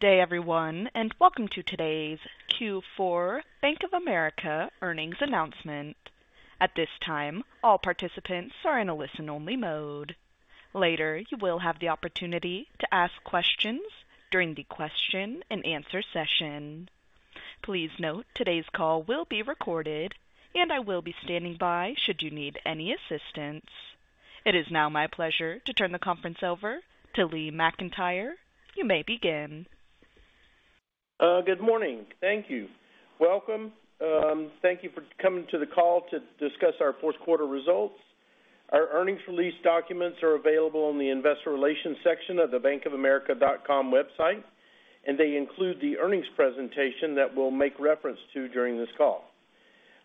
Good day, everyone, and welcome to today's Q4 Bank of America earnings announcement. At this time, all participants are in a listen-only mode. Later, you will have the opportunity to ask questions during the question-and-answer session. Please note today's call will be recorded, and I will be standing by should you need any assistance. It is now my pleasure to turn the conference over to Lee McEntire. You may begin. Good morning. Thank you. Welcome. Thank you for coming to the call to discuss our fourth quarter results. Our earnings release documents are available on the investor relations section of the bankofamerica.com website, and they include the earnings presentation that we'll make reference to during this call.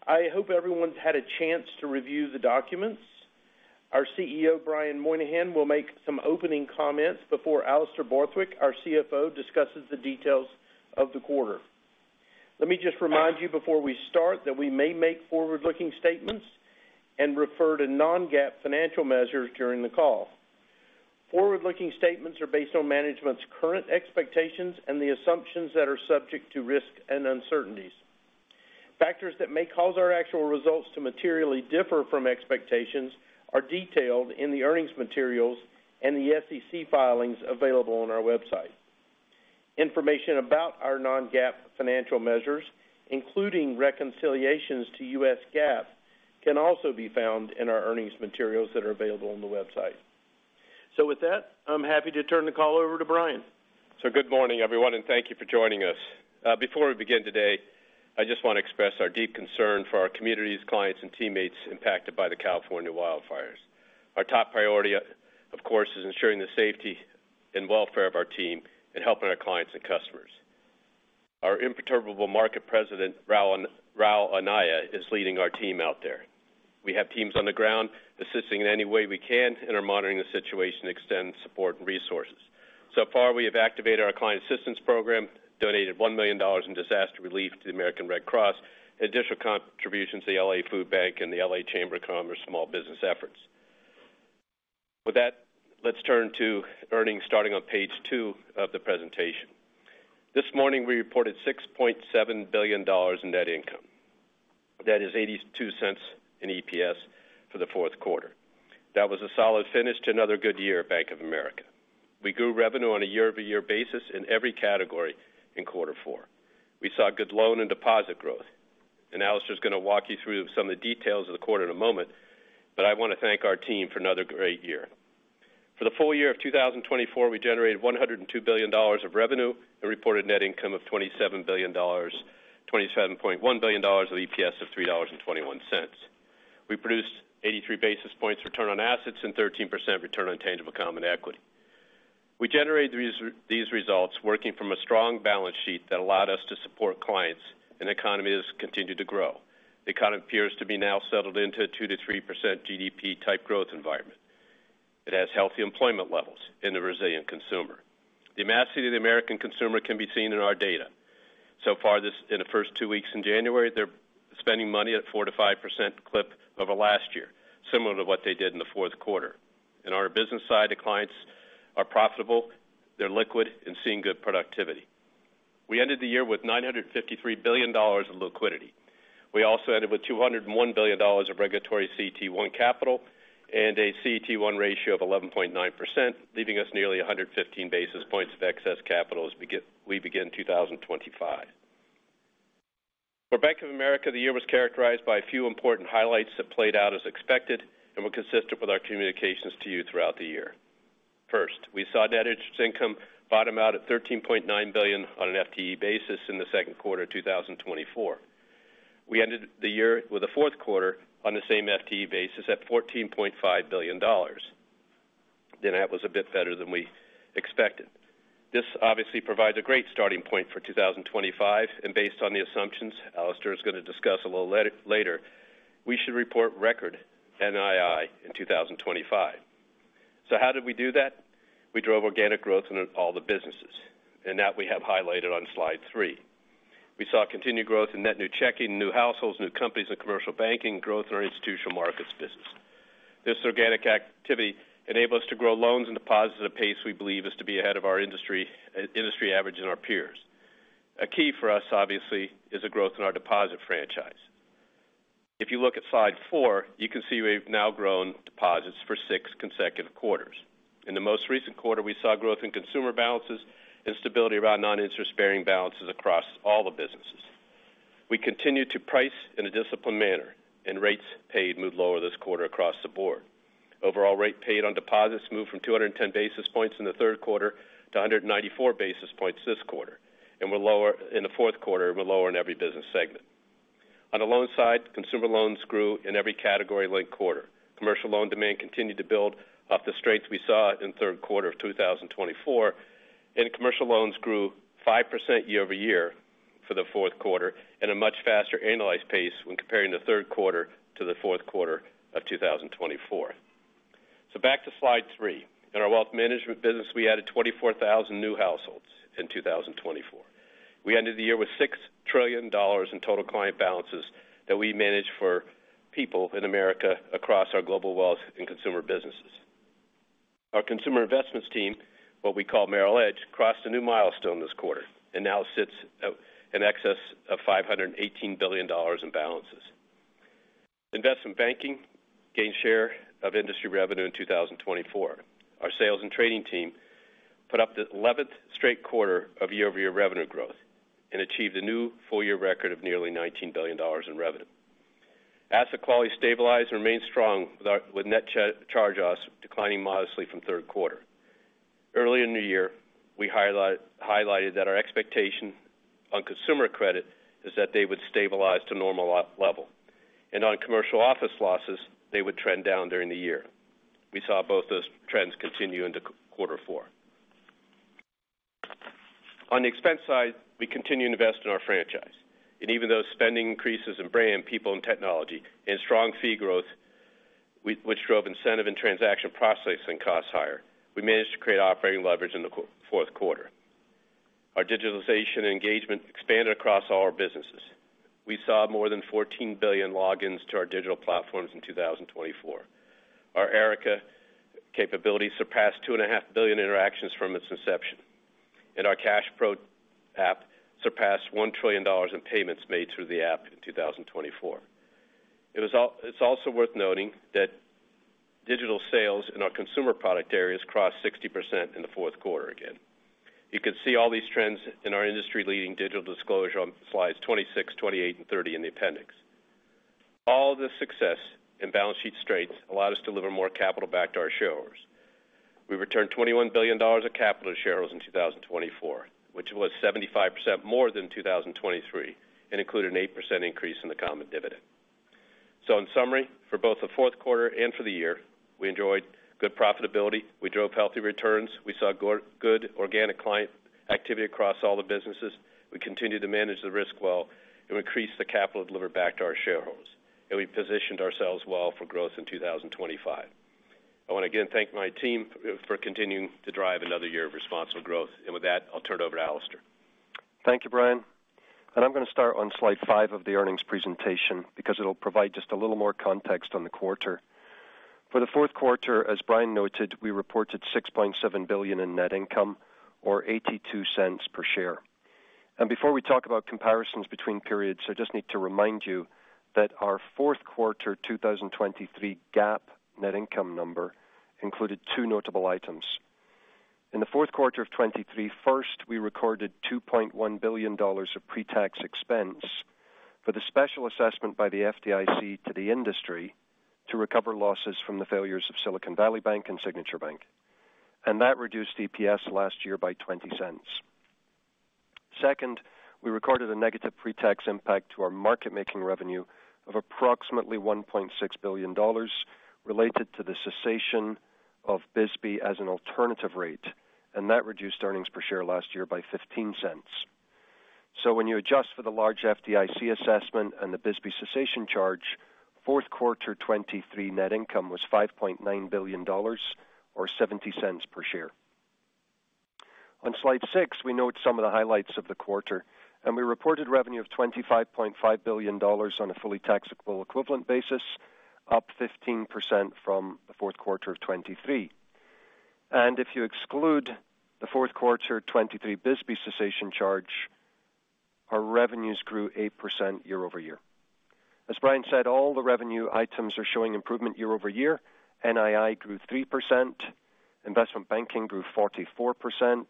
I hope everyone had a chance to review the documents. Our CEO, Brian Moynihan, will make some opening comments before Alastair Borthwick, our CFO, discusses the details of the quarter. Let me just remind you before we start that we may make forward-looking statements and refer to non-GAAP financial measures during the call. Forward-looking statements are based on management's current expectations and the assumptions that are subject to risk and uncertainties. Factors that may cause our actual results to materially differ from expectations are detailed in the earnings materials and the SEC filings available on our website. Information about our non-GAAP financial measures, including reconciliations to U.S. GAAP, can also be found in our earnings materials that are available on the website, so with that, I'm happy to turn the call over to Brian. Good morning, everyone, and thank you for joining us. Before we begin today, I just want to express our deep concern for our community's clients and teammates impacted by the California wildfires. Our top priority, of course, is ensuring the safety and welfare of our team and helping our clients and customers. Our imperturbable Market President, Raul Anaya, is leading our team out there. We have teams on the ground assisting in any way we can and are monitoring the situation to extend support and resources. So far, we have activated our Client Assistance Program, donated $1 million in disaster relief to the American Red Cross, and additional contributions to the LA Food Bank and the LA Chamber of Commerce small business efforts. With that, let's turn to earnings starting on page two of the presentation. This morning, we reported $6.7 billion in net income. That is $0.82 in EPS for the fourth quarter. That was a solid finish to another good year at Bank of America. We grew revenue on a year-over-year basis in every category in quarter four. We saw good loan and deposit growth, and Alastair's going to walk you through some of the details of the quarter in a moment, but I want to thank our team for another great year. For the full year of 2024, we generated $102 billion of revenue and reported net income of $27 billion, $27.1 billion of EPS of $3.21. We produced 83 basis points return on assets and 13% return on tangible common equity. We generated these results working from a strong balance sheet that allowed us to support clients, and the economy has continued to grow. The economy appears to be now settled into a 2%-3% GDP-type growth environment. It has healthy employment levels and a resilient consumer. The tenacity of the American consumer can be seen in our data. So far, in the first two weeks in January, they're spending money at a 4%-5% clip over last year, similar to what they did in the fourth quarter, and on our business side, the clients are profitable, they're liquid, and seeing good productivity. We ended the year with $953 billion of liquidity. We also ended with $201 billion of regulatory CET1 capital and a CET1 ratio of 11.9%, leaving us nearly 115 basis points of excess capital as we begin 2025. For Bank of America, the year was characterized by a few important highlights that played out as expected and were consistent with our communications to you throughout the year. First, we saw net interest income bottom out at $13.9 billion on an FTE basis in the second quarter of 2024. We ended the year with the fourth quarter on the same FTE basis at $14.5 billion. Then that was a bit better than we expected. This obviously provides a great starting point for 2025, and based on the assumptions Alastair is going to discuss a little later, we should report record NII in 2025. So how did we do that? We drove organic growth in all the businesses, and that we have highlighted on slide three. We saw continued growth in net new checking, new households, new companies, and commercial banking, growth in our institutional markets business. This organic activity enabled us to grow loans and deposits at a pace we believe is to be ahead of our industry average and our peers. A key for us, obviously, is a growth in our deposit franchise. If you look at slide four, you can see we've now grown deposits for six consecutive quarters. In the most recent quarter, we saw growth in consumer balances and stability around non-interest-bearing balances across all the businesses. We continue to price in a disciplined manner, and rates paid moved lower this quarter across the board. Overall rate paid on deposits moved from 210 basis points in the third quarter to 194 basis points this quarter, and we're lower in the fourth quarter, and we're lower in every business segment. On the loan side, consumer loans grew in every category linked quarter. Commercial loan demand continued to build off the strength we saw in the third quarter of 2024, and commercial loans grew 5% year-over-year for the fourth quarter at a much faster annualized pace when comparing the third quarter to the fourth quarter of 2024. Back to slide three. In our wealth management business, we added 24,000 new households in 2024. We ended the year with $6 trillion in total client balances that we managed for people in America across our global wealth and consumer businesses. Our consumer investments team, what we call Merrill Edge, crossed a new milestone this quarter and now sits in excess of $518 billion in balances. Investment banking gained share of industry revenue in 2024. Our sales and trading team put up the 11th straight quarter of year-over-year revenue growth and achieved a new four-year record of nearly $19 billion in revenue. Asset quality stabilized and remained strong with net charge-offs declining modestly from third quarter. Earlier in the year, we highlighted that our expectation on consumer credit is that they would stabilize to normal level, and on commercial office losses, they would trend down during the year. We saw both those trends continue into quarter four. On the expense side, we continue to invest in our franchise. And even though spending increases in brand, people, and technology, and strong fee growth, which drove incentive and transaction processing costs higher, we managed to create operating leverage in the fourth quarter. Our digitalization engagement expanded across all our businesses. We saw more than 14 billion logins to our digital platforms in 2024. Our ERiC-A capability surpassed 2.5 billion interactions from its inception, and our CashPro app surpassed $1 trillion in payments made through the app in 2024. It's also worth noting that digital sales in our consumer product areas crossed 60% in the fourth quarter again. You can see all these trends in our industry-leading digital disclosure on slides 26, 28, and 30 in the appendix. All the success and balance sheet strengths allowed us to deliver more capital back to our shareholders. We returned $21 billion of capital to shareholders in 2024, which was 75% more than 2023 and included an 8% increase in the common dividend. So in summary, for both the fourth quarter and for the year, we enjoyed good profitability. We drove healthy returns. We saw good organic client activity across all the businesses. We continued to manage the risk well and increased the capital delivered back to our shareholders, and we positioned ourselves well for growth in 2025. I want to again thank my team for continuing to drive another year of responsible growth. And with that, I'll turn it over to Alastair. Thank you, Brian. And I'm going to start on slide five of the earnings presentation because it'll provide just a little more context on the quarter. For the fourth quarter, as Brian noted, we reported $6.7 billion in net income or $0.82 per share. And before we talk about comparisons between periods, I just need to remind you that our fourth quarter 2023 GAAP net income number included two notable items. In the fourth quarter of 2023, first, we recorded $2.1 billion of pre-tax expense for the special assessment by the FDIC to the industry to recover losses from the failures of Silicon Valley Bank and Signature Bank. And that reduced EPS last year by $0.20. Second, we recorded a negative pre-tax impact to our market-making revenue of approximately $1.6 billion related to the cessation of BSBY as an alternative rate, and that reduced earnings per share last year by $0.15. So when you adjust for the large FDIC assessment and the BSBY cessation charge, fourth quarter 2023 net income was $5.9 billion or $0.70 per share. On slide six, we note some of the highlights of the quarter, and we reported revenue of $25.5 billion on a fully taxable equivalent basis, up 15% from the fourth quarter of 2023. And if you exclude the fourth quarter 2023 BSBY cessation charge, our revenues grew 8% year-over-year. As Brian said, all the revenue items are showing improvement year-over-year. NII grew 3%. Investment banking grew 44%.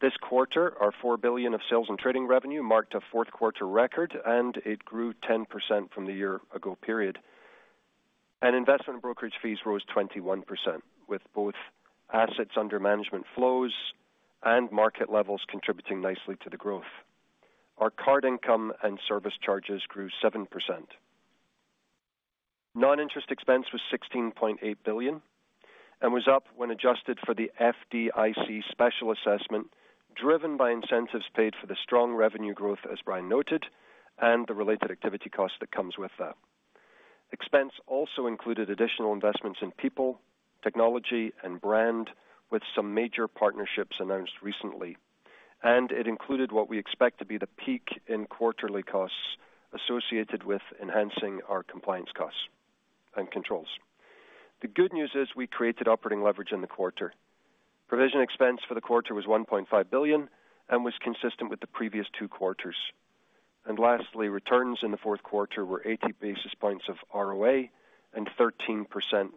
This quarter, our $4 billion of sales and trading revenue marked a fourth quarter record, and it grew 10% from the year ago period, and investment and brokerage fees rose 21%, with both assets under management flows and market levels contributing nicely to the growth. Our card income and service charges grew 7%. Non-interest expense was $16.8 billion and was up when adjusted for the FDIC special assessment, driven by incentives paid for the strong revenue growth, as Brian noted, and the related activity cost that comes with that. Expense also included additional investments in people, technology, and brand, with some major partnerships announced recently, and it included what we expect to be the peak in quarterly costs associated with enhancing our compliance costs and controls. The good news is we created operating leverage in the quarter. Provision expense for the quarter was $1.5 billion and was consistent with the previous two quarters. And lastly, returns in the fourth quarter were 80 basis points of ROA and 13%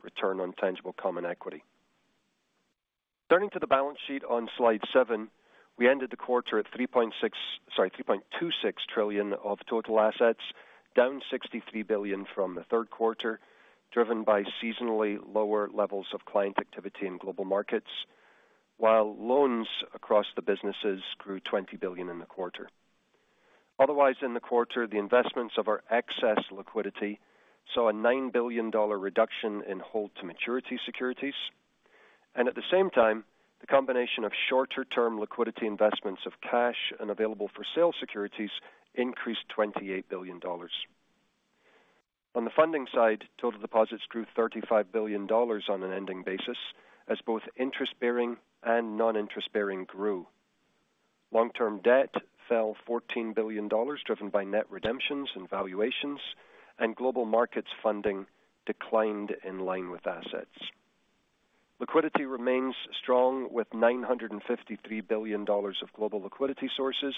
return on tangible common equity. Turning to the balance sheet on slide seven, we ended the quarter at $3.26 trillion of total assets, down $63 billion from the third quarter, driven by seasonally lower levels of client activity in Global Markets, while loans across the businesses grew $20 billion in the quarter. Otherwise, in the quarter, the investments of our excess liquidity saw a $9 billion reduction in held-to-maturity securities. And at the same time, the combination of shorter-term liquidity investments of cash and available-for-sale securities increased $28 billion. On the funding side, total deposits grew $35 billion on an ending basis as both interest-bearing and non-interest-bearing grew. Long-term debt fell $14 billion, driven by net redemptions and valuations, and Global Markets funding declined in line with assets. Liquidity remains strong with $953 billion of global liquidity sources.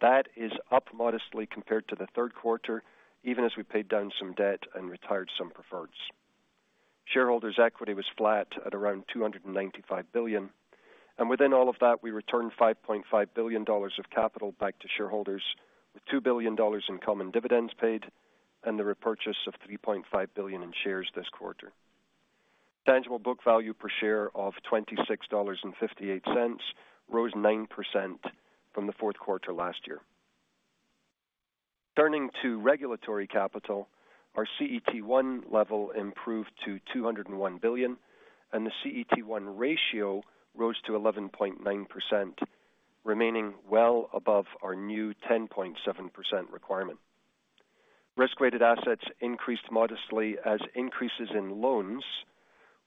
That is up modestly compared to the third quarter, even as we paid down some debt and retired some preferreds. Shareholders' equity was flat at around $295 billion, and within all of that, we returned $5.5 billion of capital back to shareholders with $2 billion in common dividends paid and the repurchase of $3.5 billion in shares this quarter. Tangible book value per share of $26.58 rose 9% from the fourth quarter last year. Turning to regulatory capital, our CET1 level improved to $201 billion, and the CET1 ratio rose to 11.9%, remaining well above our new 10.7% requirement. Risk-weighted assets increased modestly as increases in loans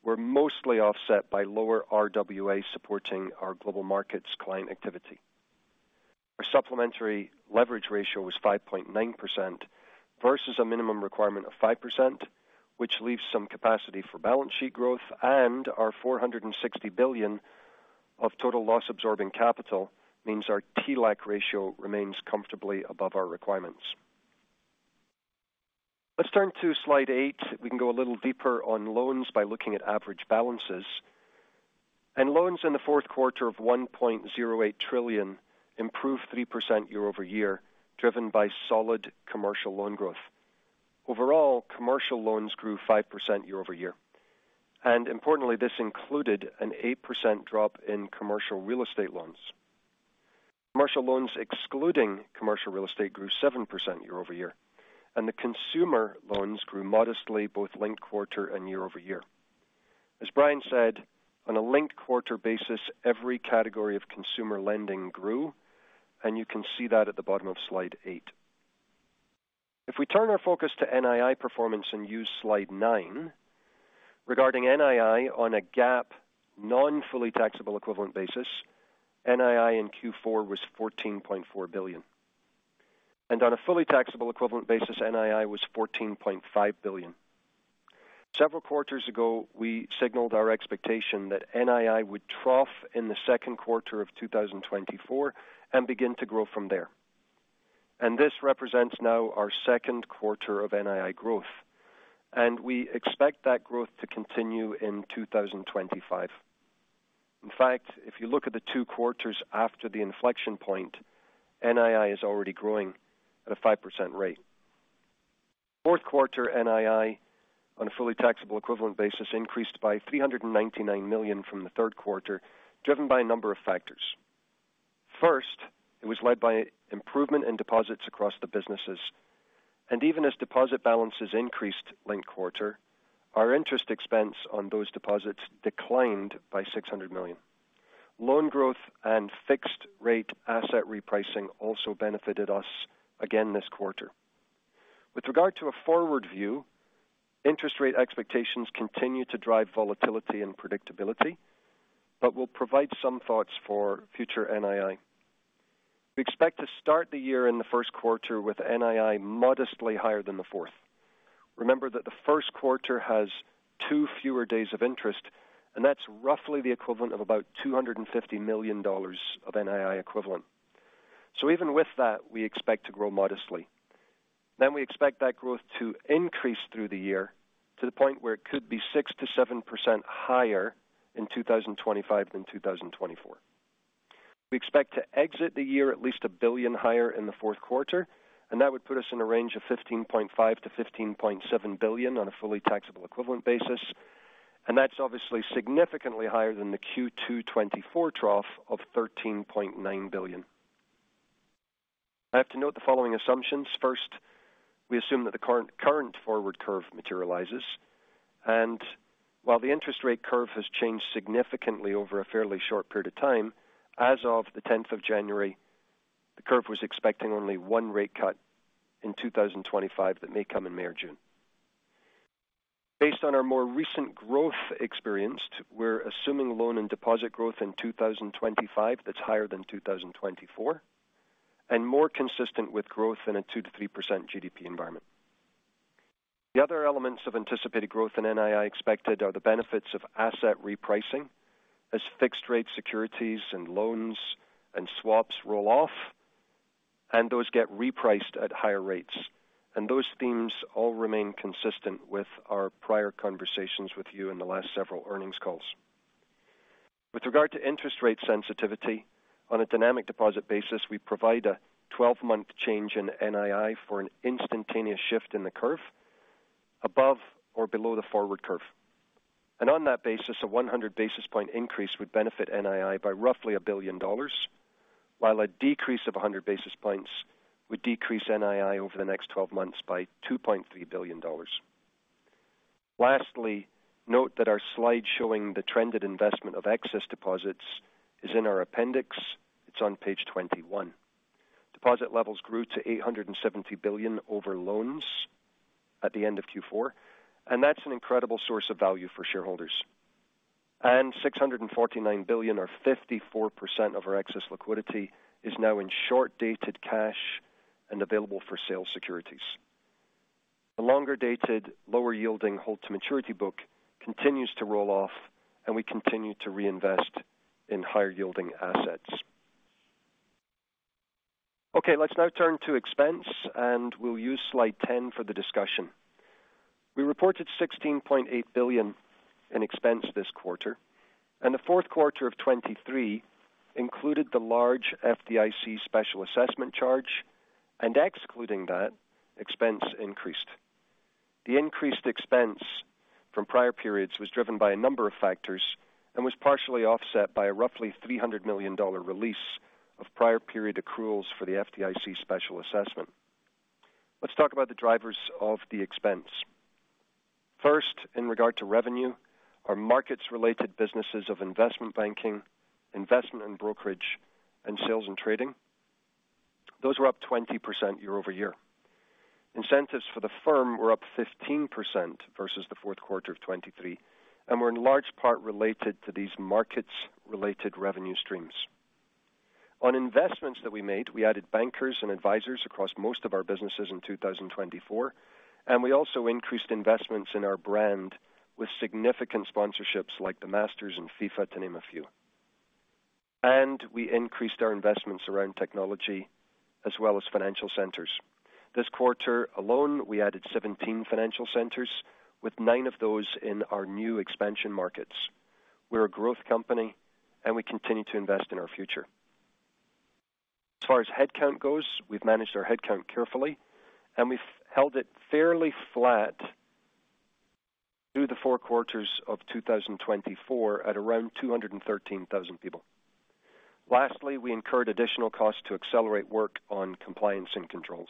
were mostly offset by lower RWA supporting our Global Markets client activity. Our supplementary leverage ratio was 5.9% versus a minimum requirement of 5%, which leaves some capacity for balance sheet growth, and our $460 billion of total loss-absorbing capital means our TLAC ratio remains comfortably above our requirements. Let's turn to slide eight. We can go a little deeper on loans by looking at average balances, and loans in the fourth quarter of $1.08 trillion improved 3% year-over-year, driven by solid commercial loan growth. Overall, commercial loans grew 5% year-over-year, and importantly, this included an 8% drop in commercial real estate loans. Commercial loans excluding commercial real estate grew 7% year-over-year, and the consumer loans grew modestly both linked quarter and year-over-year. As Brian said, on a linked quarter basis, every category of consumer lending grew, and you can see that at the bottom of slide eight. If we turn our focus to NII performance and use slide nine, regarding NII on a GAAP non-fully taxable equivalent basis, NII in Q4 was $14.4 billion, and on a fully taxable equivalent basis, NII was $14.5 billion. Several quarters ago, we signaled our expectation that NII would trough in the second quarter of 2024 and begin to grow from there, and this represents now our second quarter of NII growth, and we expect that growth to continue in 2025. In fact, if you look at the two quarters after the inflection point, NII is already growing at a 5% rate. Fourth quarter NII on a fully taxable equivalent basis increased by $399 million from the third quarter, driven by a number of factors. First, it was led by improvement in deposits across the businesses. Even as deposit balances increased linked quarter, our interest expense on those deposits declined by $600 million. Loan growth and fixed-rate asset repricing also benefited us again this quarter. With regard to a forward view, interest rate expectations continue to drive volatility and predictability, but will provide some thoughts for future NII. We expect to start the year in the first quarter with NII modestly higher than the fourth. Remember that the first quarter has two fewer days of interest, and that's roughly the equivalent of about $250 million of NII equivalent. So even with that, we expect to grow modestly. And we expect that growth to increase through the year to the point where it could be 6%-7% higher in 2025 than 2024. We expect to exit the year at least a billion higher in the fourth quarter, and that would put us in a range of $15.5-$15.7 billion on a fully taxable-equivalent basis. And that's obviously significantly higher than the Q2 2024 trough of $13.9 billion. I have to note the following assumptions. First, we assume that the current forward curve materializes. And while the interest rate curve has changed significantly over a fairly short period of time, as of the 10th of January, the curve was expecting only one rate cut in 2025 that may come in May or June. Based on our more recent growth experienced, we're assuming loan and deposit growth in 2025 that's higher than 2024 and more consistent with growth in a 2%-3% GDP environment. The other elements of anticipated growth in NII expected are the benefits of asset repricing as fixed-rate securities and loans and swaps roll off, and those get repriced at higher rates. And those themes all remain consistent with our prior conversations with you in the last several earnings calls. With regard to interest rate sensitivity, on a dynamic deposit basis, we provide a 12-month change in NII for an instantaneous shift in the curve above or below the forward curve. And on that basis, a 100 basis point increase would benefit NII by roughly $1 billion, while a decrease of 100 basis points would decrease NII over the next 12 months by $2.3 billion. Lastly, note that our slide showing the trended investment of excess deposits is in our appendix. It's on page 21. Deposit levels grew to $870 billion over loans at the end of Q4, and that's an incredible source of value for shareholders, and $649 billion, or 54% of our excess liquidity, is now in short-dated cash and available for sale securities. The longer-dated, lower-yielding hold-to-maturity book continues to roll off, and we continue to reinvest in higher-yielding assets. Okay, let's now turn to expense, and we'll use slide 10 for the discussion. We reported $16.8 billion in expense this quarter, and the fourth quarter of 2023 included the large FDIC special assessment charge, and excluding that, expense increased. The increased expense from prior periods was driven by a number of factors and was partially offset by a roughly $300 million release of prior-period accruals for the FDIC special assessment. Let's talk about the drivers of the expense. First, in regard to revenue, our markets-related businesses of investment banking, investment and brokerage, and sales and trading, those were up 20% year-over-year. Incentives for the firm were up 15% versus the fourth quarter of 2023, and were in large part related to these markets-related revenue streams. On investments that we made, we added bankers and advisors across most of our businesses in 2024, and we also increased investments in our brand with significant sponsorships like the Masters and FIFA, to name a few. And we increased our investments around technology as well as financial centers. This quarter alone, we added 17 financial centers, with 9 of those in our new expansion markets. We're a growth company, and we continue to invest in our future. As far as headcount goes, we've managed our headcount carefully, and we've held it fairly flat through the four quarters of 2024 at around 213,000 people. Lastly, we incurred additional costs to accelerate work on compliance and controls.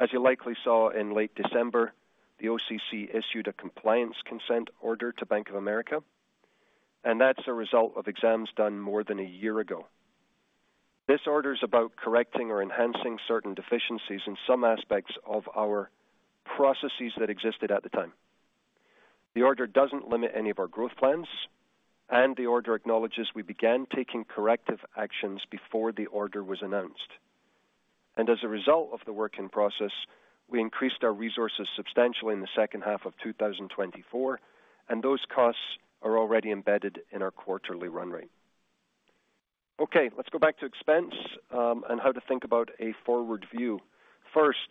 As you likely saw in late December, the OCC issued a compliance consent order to Bank of America, and that's a result of exams done more than a year ago. This order is about correcting or enhancing certain deficiencies in some aspects of our processes that existed at the time. The order doesn't limit any of our growth plans, and the order acknowledges we began taking corrective actions before the order was announced, and as a result of the work in process, we increased our resources substantially in the second half of 2024, and those costs are already embedded in our quarterly run rate. Okay, let's go back to expense and how to think about a forward view. First,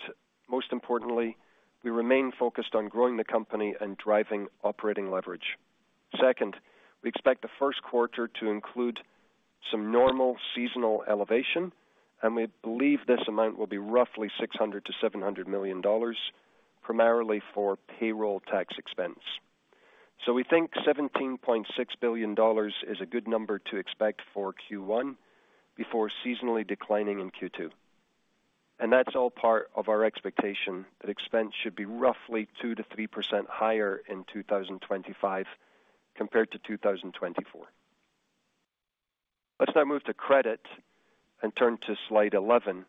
most importantly, we remain focused on growing the company and driving operating leverage. Second, we expect the first quarter to include some normal seasonal elevation, and we believe this amount will be roughly $600-$700 million, primarily for payroll tax expense. So we think $17.6 billion is a good number to expect for Q1 before seasonally declining in Q2. And that's all part of our expectation that expense should be roughly 2%-3% higher in 2025 compared to 2024. Let's now move to credit and turn to slide 11,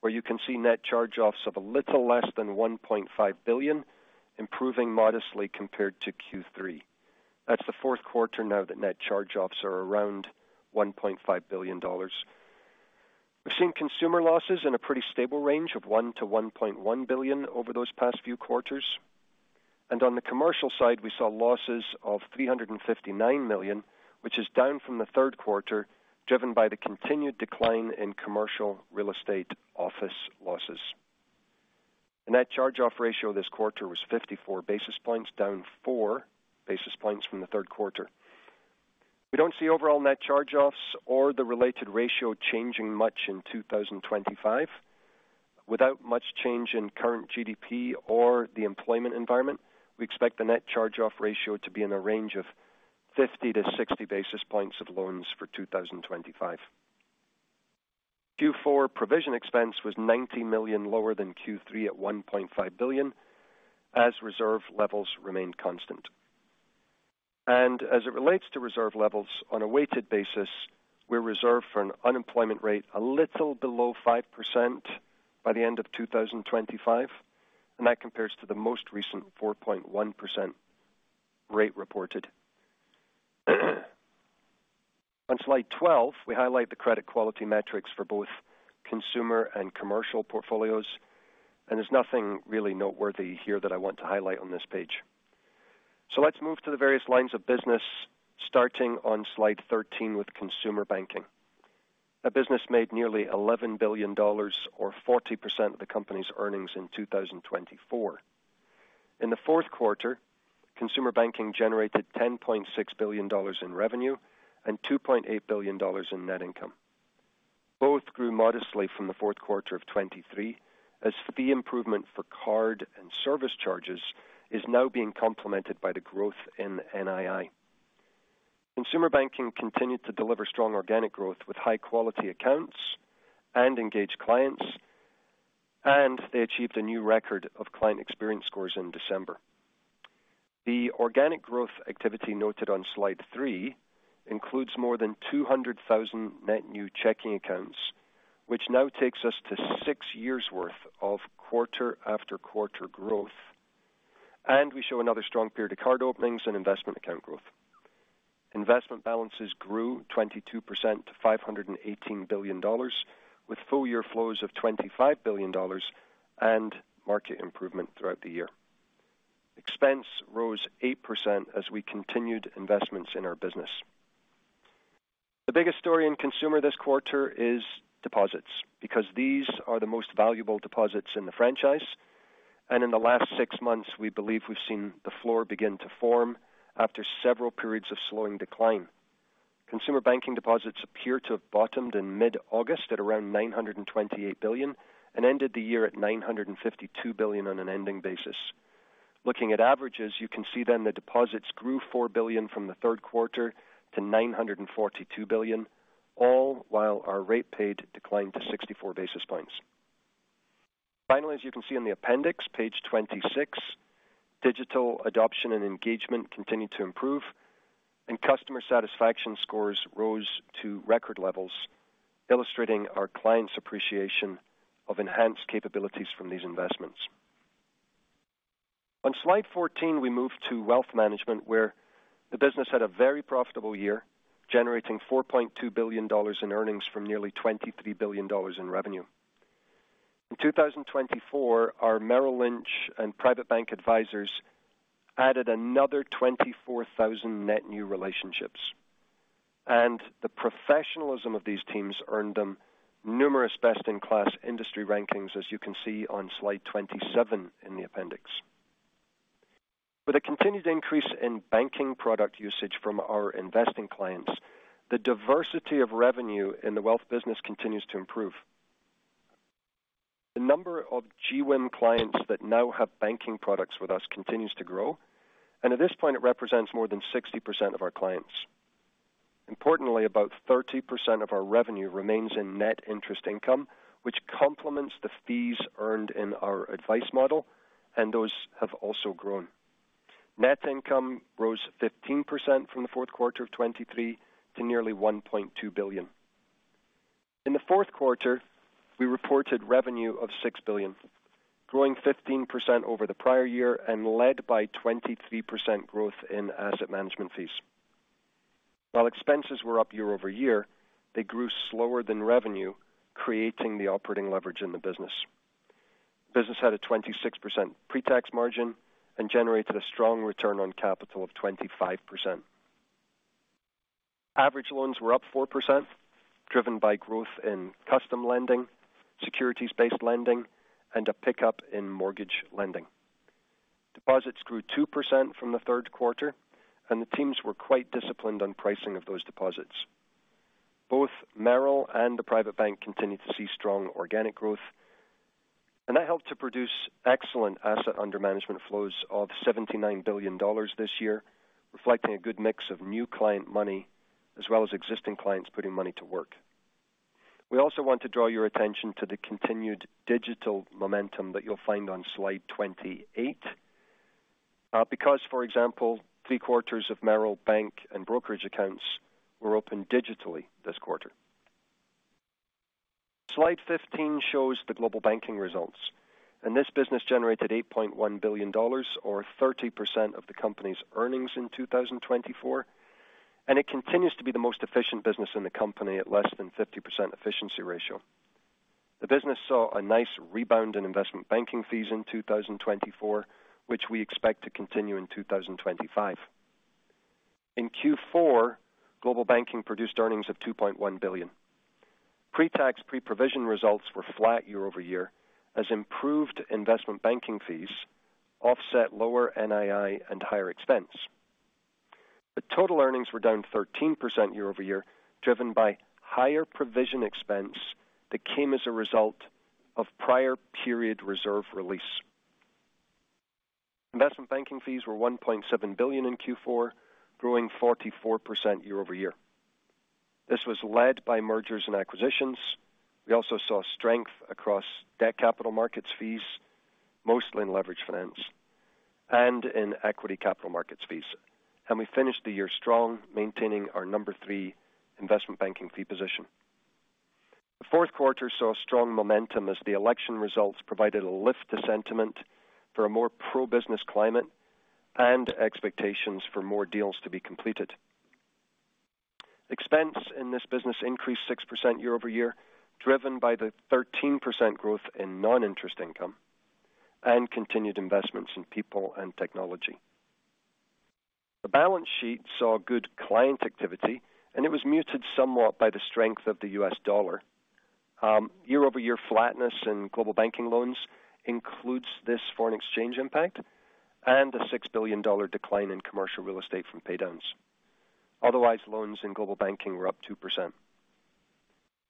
where you can see net charge-offs of a little less than $1.5 billion, improving modestly compared to Q3. That's the fourth quarter now that net charge-offs are around $1.5 billion. We've seen consumer losses in a pretty stable range of $one million to $1.1 billion over those past few quarters. And on the commercial side, we saw losses of $359 million, which is down from the third quarter, driven by the continued decline in commercial real estate office losses. The net charge-off ratio this quarter was 54 basis points, down four basis points from the third quarter. We don't see overall net charge-offs or the related ratio changing much in 2025. Without much change in current GDP or the employment environment, we expect the net charge-off ratio to be in a range of 50 to 60 basis points of loans for 2025. Q4 provision expense was $90 million lower than Q3 at $1.5 billion, as reserve levels remained constant. As it relates to reserve levels, on a weighted basis, we're reserved for an unemployment rate a little below 5% by the end of 2025, and that compares to the most recent 4.1% rate reported. On slide 12, we highlight the credit quality metrics for both consumer and commercial portfolios, and there's nothing really noteworthy here that I want to highlight on this page. Let's move to the various lines of business, starting on slide 13 with Consumer Banking. A business made nearly $11 billion, or 40% of the company's earnings in 2024. In the fourth quarter, Consumer Banking generated $10.6 billion in revenue and $2.8 billion in net income. Both grew modestly from the fourth quarter of 2023, as the improvement for card and service charges is now being complemented by the growth in NII. Consumer Banking continued to deliver strong organic growth with high-quality accounts and engaged clients, and they achieved a new record of client experience scores in December. The organic growth activity noted on slide three includes more than 200,000 net new checking accounts, which now takes us to six years' worth of quarter-after-quarter growth, and we show another strong period of card openings and investment account growth. Investment balances grew 22% to $518 billion, with full-year flows of $25 billion and market improvement throughout the year. Expenses rose 8% as we continued investments in our business. The biggest story in Consumer this quarter is deposits, because these are the most valuable deposits in the franchise, and in the last six months, we believe we've seen the floor begin to form after several periods of slowing decline. Consumer banking deposits appear to have bottomed in mid-August at around $928 billion and ended the year at $952 billion on an ending basis. Looking at averages, you can see then the deposits grew $4 billion from the third quarter to $942 billion, all while our rate paid declined to 64 basis points. Finally, as you can see in the appendix, page 26, digital adoption and engagement continued to improve, and customer satisfaction scores rose to record levels, illustrating our clients' appreciation of enhanced capabilities from these investments. On slide 14, we move to wealth management, where the business had a very profitable year, generating $4.2 billion in earnings from nearly $23 billion in revenue. In 2024, our Merrill Lynch and Private Bank advisors added another 24,000 net new relationships. The professionalism of these teams earned them numerous best-in-class industry rankings, as you can see on slide 27 in the appendix. With a continued increase in banking product usage from our investing clients, the diversity of revenue in the wealth business continues to improve. The number of GWIM clients that now have banking products with us continues to grow, and at this point, it represents more than 60% of our clients. Importantly, about 30% of our revenue remains in net interest income, which complements the fees earned in our advice model, and those have also grown. Net income rose 15% from the fourth quarter of 2023 to nearly $1.2 billion. In the fourth quarter, we reported revenue of $6 billion, growing 15% over the prior year and led by 23% growth in asset management fees. While expenses were up year-over-year, they grew slower than revenue, creating the operating leverage in the business. The business had a 26% pre-tax margin and generated a strong return on capital of 25%. Average loans were up 4%, driven by growth in custom lending, securities-based lending, and a pickup in mortgage lending. Deposits grew 2% from the third quarter, and the teams were quite disciplined on pricing of those deposits. Both Merrill and the Private Bank continued to see strong organic growth, and that helped to produce excellent asset under management flows of $79 billion this year, reflecting a good mix of new client money as well as existing clients putting money to work. We also want to draw your attention to the continued digital momentum that you'll find on slide 28, because, for example, three quarters of Merrill bank and brokerage accounts were open digitally this quarter. Slide 15 shows the Global Banking results, and this business generated $8.1 billion, or 30% of the company's earnings in 2024, and it continues to be the most efficient business in the company at less than 50% efficiency ratio. The business saw a nice rebound in investment banking fees in 2024, which we expect to continue in 2025. In Q4, Global Banking produced earnings of $2.1 billion. Pre-tax pre-provision results were flat year-over-year, as improved investment banking fees offset lower NII and higher expense. The total earnings were down 13% year-over-year, driven by higher provision expense that came as a result of prior-period reserve release. Investment banking fees were $1.7 billion in Q4, growing 44% year-over-year. This was led by mergers and acquisitions. We also saw strength across debt capital markets fees, mostly in leverage finance and in equity capital markets fees. We finished the year strong, maintaining our number three investment banking fee position. The fourth quarter saw strong momentum as the election results provided a lift to sentiment for a more pro-business climate and expectations for more deals to be completed. Expense in this business increased 6% year-over-year, driven by the 13% growth in non-interest income and continued investments in people and technology. The balance sheet saw good client activity, and it was muted somewhat by the strength of the U.S. dollar. Year-over-year flatness in Global Banking loans includes this foreign exchange impact and a $6 billion decline in commercial real estate from paydowns. Otherwise, loans in Global Banking were up 2%.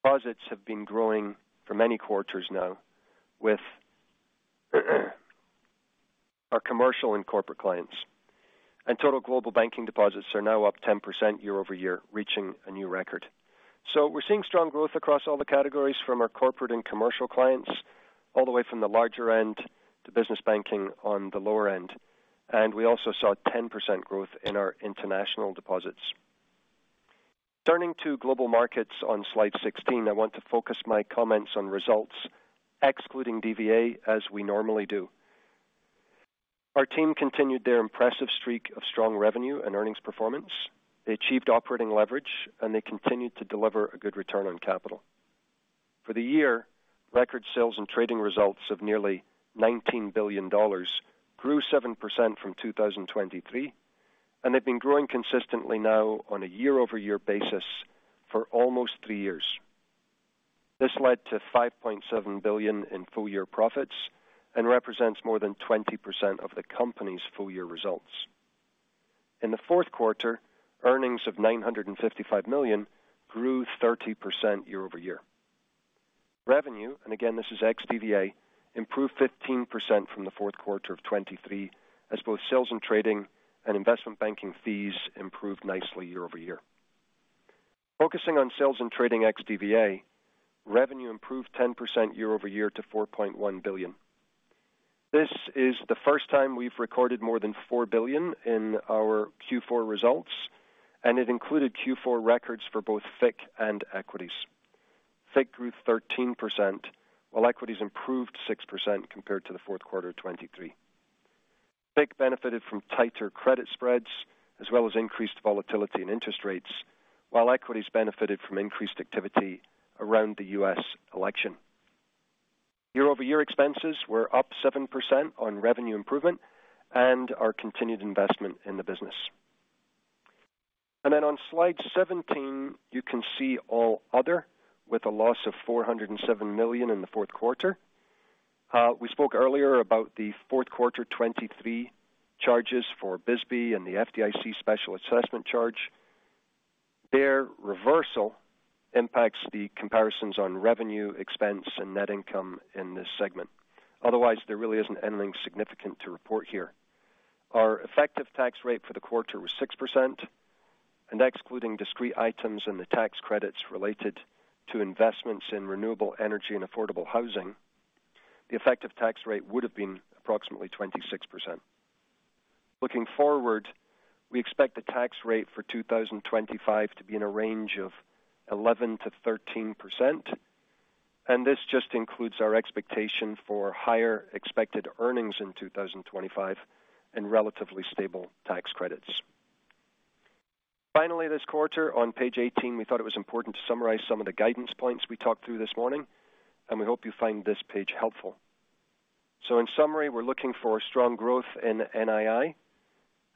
Deposits have been growing for many quarters now with our commercial and corporate clients. Total Global Banking deposits are now up 10% year-over-year, reaching a new record. So we're seeing strong growth across all the categories from our corporate and commercial clients, all the way from the larger end to business banking on the lower end. And we also saw 10% growth in our international deposits. Turning to Global Markets on slide 16, I want to focus my comments on results, excluding DVA, as we normally do. Our team continued their impressive streak of strong revenue and earnings performance. They achieved operating leverage, and they continued to deliver a good return on capital. For the year, record sales and trading results of nearly $19 billion grew 7% from 2023, and they've been growing consistently now on a year-over-year basis for almost three years. This led to $5.7 billion in full-year profits and represents more than 20% of the company's full-year results. In the fourth quarter, earnings of $955 million grew 30% year-over-year. Revenue, and again, this is ex-DVA, improved 15% from the fourth quarter of 2023, as both sales and trading and investment banking fees improved nicely year-over-year. Focusing on sales and trading ex-DVA, revenue improved 10% year-over-year to $4.1 billion. This is the first time we've recorded more than $4 billion in our Q4 results, and it included Q4 records for both FICC and equities. FICC grew 13%, while equities improved 6% compared to the fourth quarter of 2023. FICC benefited from tighter credit spreads, as well as increased volatility in interest rates, while equities benefited from increased activity around the U.S. election. Year-over-year expenses were up 7% on revenue improvement and our continued investment in the business. And then on slide 17, you can see all other with a loss of $407 million in the fourth quarter. We spoke earlier about the fourth quarter 2023 charges for BSBY and the FDIC special assessment charge. Their reversal impacts the comparisons on revenue, expense, and net income in this segment. Otherwise, there really isn't anything significant to report here. Our effective tax rate for the quarter was 6%, and excluding discrete items and the tax credits related to investments in renewable energy and affordable housing, the effective tax rate would have been approximately 26%. Looking forward, we expect the tax rate for 2025 to be in a range of 11%-13%, and this just includes our expectation for higher expected earnings in 2025 and relatively stable tax credits. Finally, this quarter, on page 18, we thought it was important to summarize some of the guidance points we talked through this morning, and we hope you find this page helpful. So in summary, we're looking for strong growth in NII,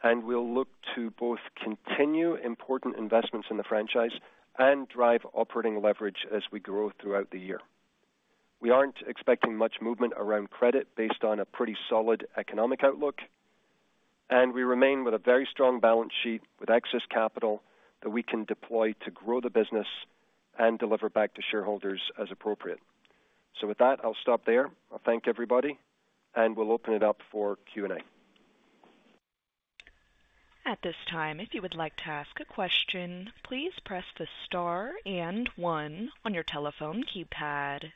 and we'll look to both continue important investments in the franchise and drive operating leverage as we grow throughout the year. We aren't expecting much movement around credit based on a pretty solid economic outlook, and we remain with a very strong balance sheet with excess capital that we can deploy to grow the business and deliver back to shareholders as appropriate. So with that, I'll stop there. I'll thank everybody, and we'll open it up for Q&A. At this time, if you would like to ask a question, please press the star and one on your telephone keypad.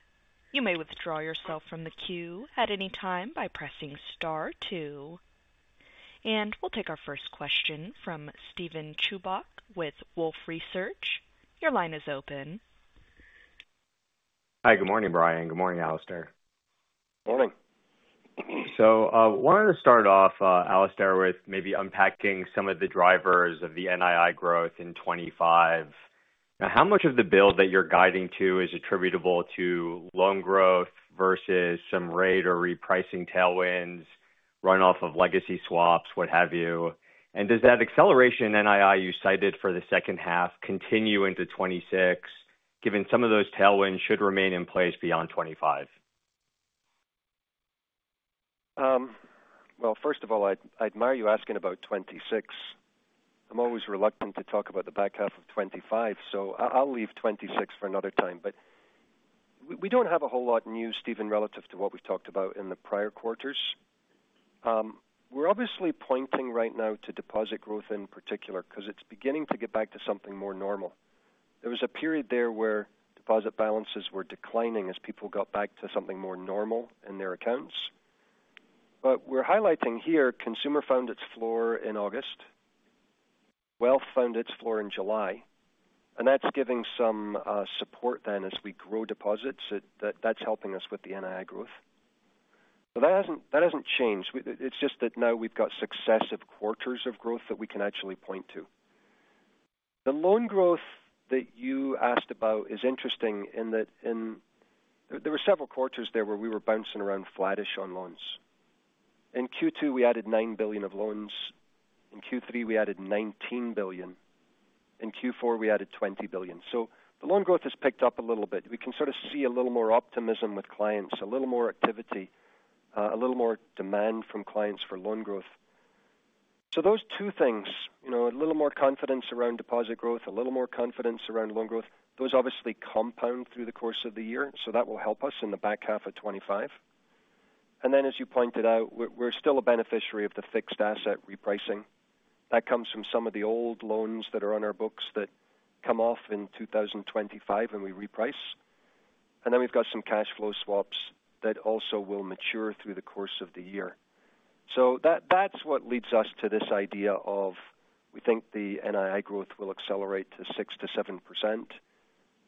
You may withdraw yourself from the queue at any time by pressing star two. And we'll take our first question from Steven Chubak with Wolfe Research. Your line is open. Hi, good morning, Brian. Good morning, Alastair. Morning. I wanted to start off, Alastair, with maybe unpacking some of the drivers of the NII growth in 2025. Now, how much of the build that you're guiding to is attributable to loan growth versus some rate or repricing tailwinds, runoff of legacy swaps, what have you? And does that acceleration NII you cited for the second half continue into 2026, given some of those tailwinds should remain in place beyond 2025? Well, first of all, I admire you asking about 2026. I'm always reluctant to talk about the back half of 2025, so I'll leave 2026 for another time. But we don't have a whole lot new, Steven, relative to what we've talked about in the prior quarters. We're obviously pointing right now to deposit growth in particular because it's beginning to get back to something more normal. There was a period there where deposit balances were declining as people got back to something more normal in their accounts. But we're highlighting here, consumer found its floor in August, wealth found its floor in July, and that's giving some support then as we grow deposits. That's helping us with the NII growth. But that hasn't changed. It's just that now we've got successive quarters of growth that we can actually point to. The loan growth that you asked about is interesting in that there were several quarters there where we were bouncing around flattish on loans. In Q2, we added $9 billion of loans. In Q3, we added $19 billion. In Q4, we added $20 billion. So the loan growth has picked up a little bit. We can sort of see a little more optimism with clients, a little more activity, a little more demand from clients for loan growth, so those two things, a little more confidence around deposit growth, a little more confidence around loan growth, those obviously compound through the course of the year, so that will help us in the back half of 2025, and then, as you pointed out, we're still a beneficiary of the fixed asset repricing. That comes from some of the old loans that are on our books that come off in 2025 when we reprice, and then we've got some cash flow swaps that also will mature through the course of the year, so that's what leads us to this idea of we think the NII growth will accelerate to 6%-7%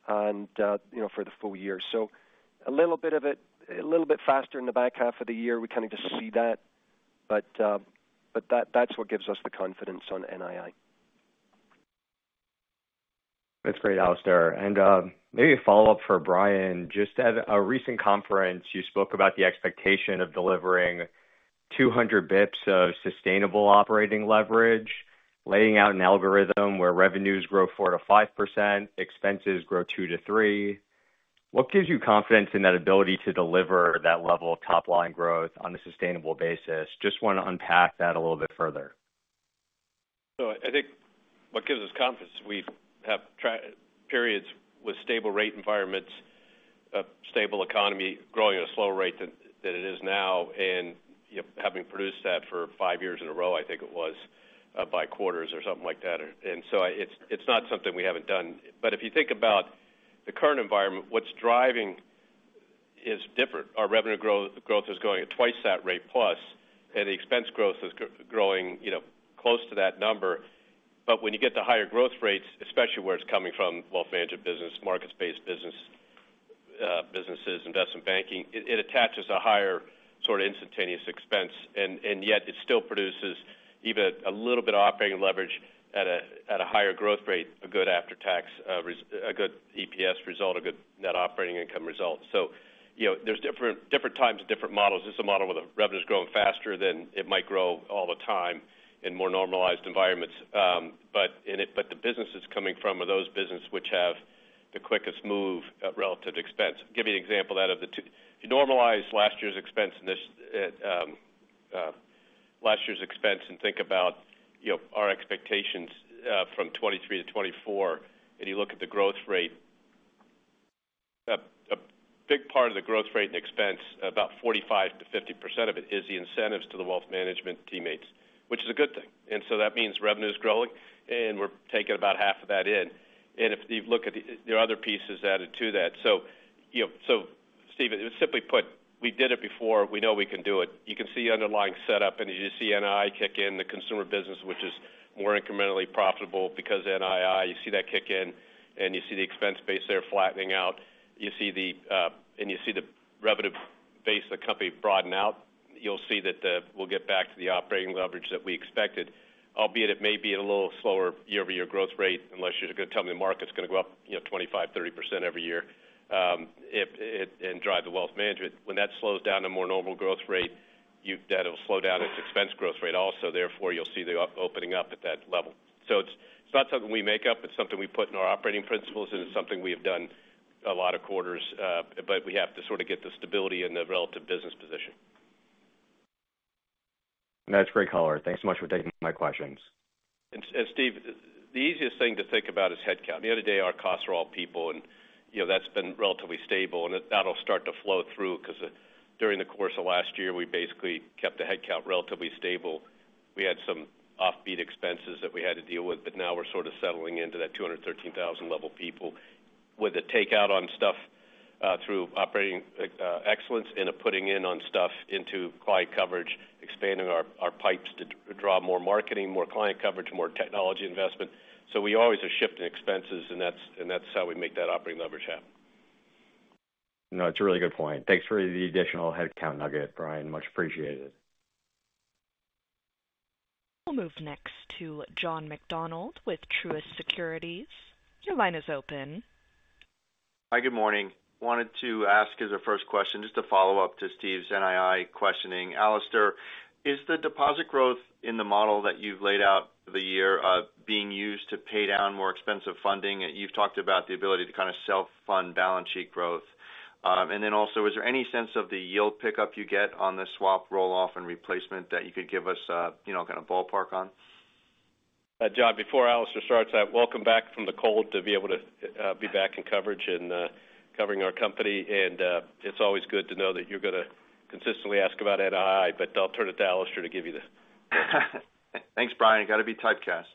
for the full year. A little bit of it, a little bit faster in the back half of the year, we kind of just see that, but that's what gives us the confidence on NII. That's great, Alastair. Maybe a follow-up for Brian. Just at a recent conference, you spoke about the expectation of delivering 200 basis points of sustainable operating leverage, laying out an algorithm where revenues grow 4%-5%, expenses grow 2%-3%. What gives you confidence in that ability to deliver that level of top-line growth on a sustainable basis? Just want to unpack that a little bit further. I think what gives us confidence is we have periods with stable rate environments, a stable economy growing at a slower rate than it is now, and having produced that for five years in a row, I think it was, by quarters or something like that. So it's not something we haven't done. If you think about the current environment, what's driving is different. Our revenue growth is going at twice that rate plus, and the expense growth is growing close to that number. When you get to higher growth rates, especially where it's coming from, wealth management business, market-based businesses, investment banking, it attaches a higher sort of instantaneous expense, and yet it still produces even a little bit of operating leverage at a higher growth rate, a good after-tax, a good EPS result, a good net operating income result. There's different times, different models. This is a model where the revenue is growing faster than it might grow all the time in more normalized environments. The business that's coming from are those businesses which have the quickest move relative to expense. I'll give you an example of that. If you normalize last year's expense and think about our expectations from 2023 to 2024, and you look at the growth rate, a big part of the growth rate and expense, about 45%-50% of it, is the incentives to the wealth management teammates, which is a good thing, and so that means revenue is growing, and we're taking about half of that in. If you look at the other pieces added to that, so Steve, it was simply put, we did it before. We know we can do it. You can see the underlying setup, and you see NII kick in, the consumer business, which is more incrementally profitable because NII. You see that kick in, and you see the expense base there flattening out, and you see the revenue base of the company broaden out. You'll see that we'll get back to the operating leverage that we expected, albeit it may be a little slower year-over-year growth rate unless you're going to tell me the market's going to go up 25%-30% every year and drive the wealth management. When that slows down to a more normal growth rate, that'll slow down its expense growth rate also. Therefore, you'll see the opening up at that level. So it's not something we make up. It's something we put in our operating principles, and it's something we have done a lot of quarters, but we have to sort of get the stability in the relative business position. That's great, color. Thanks so much for taking my questions. And, Steve, the easiest thing to think about is headcount. The other day, our costs were all people, and that's been relatively stable, and that'll start to flow through because during the course of last year, we basically kept the headcount relatively stable. We had some one-off expenses that we had to deal with, but now we're sort of settling into that 213,000 level of people with a takeout on stuff through operating excellence and a putting in on stuff into client coverage, expanding our pipes to draw more marketing, more client coverage, more technology investment. So we always are shifting expenses, and that's how we make that operating leverage happen. No, it's a really good point. Thanks for the additional headcount nugget, Brian. Much appreciated. We'll move next to John McDonald with Truist Securities. Your line is open. Hi, good morning. Wanted to ask as a first question, just to follow up to Steve's NII questioning. Alastair, is the deposit growth in the model that you've laid out for the year being used to pay down more expensive funding? You've talked about the ability to kind of self-fund balance sheet growth. And then also, is there any sense of the yield pickup you get on the swap, rolloff, and replacement that you could give us kind of a ballpark on? John, before Alastair starts that, welcome back from the cold to be able to be back in coverage and covering our company. And it's always good to know that you're going to consistently ask about NII, but I'll turn it to Alastair to give you the. Thanks, Brian. You got to be typecast.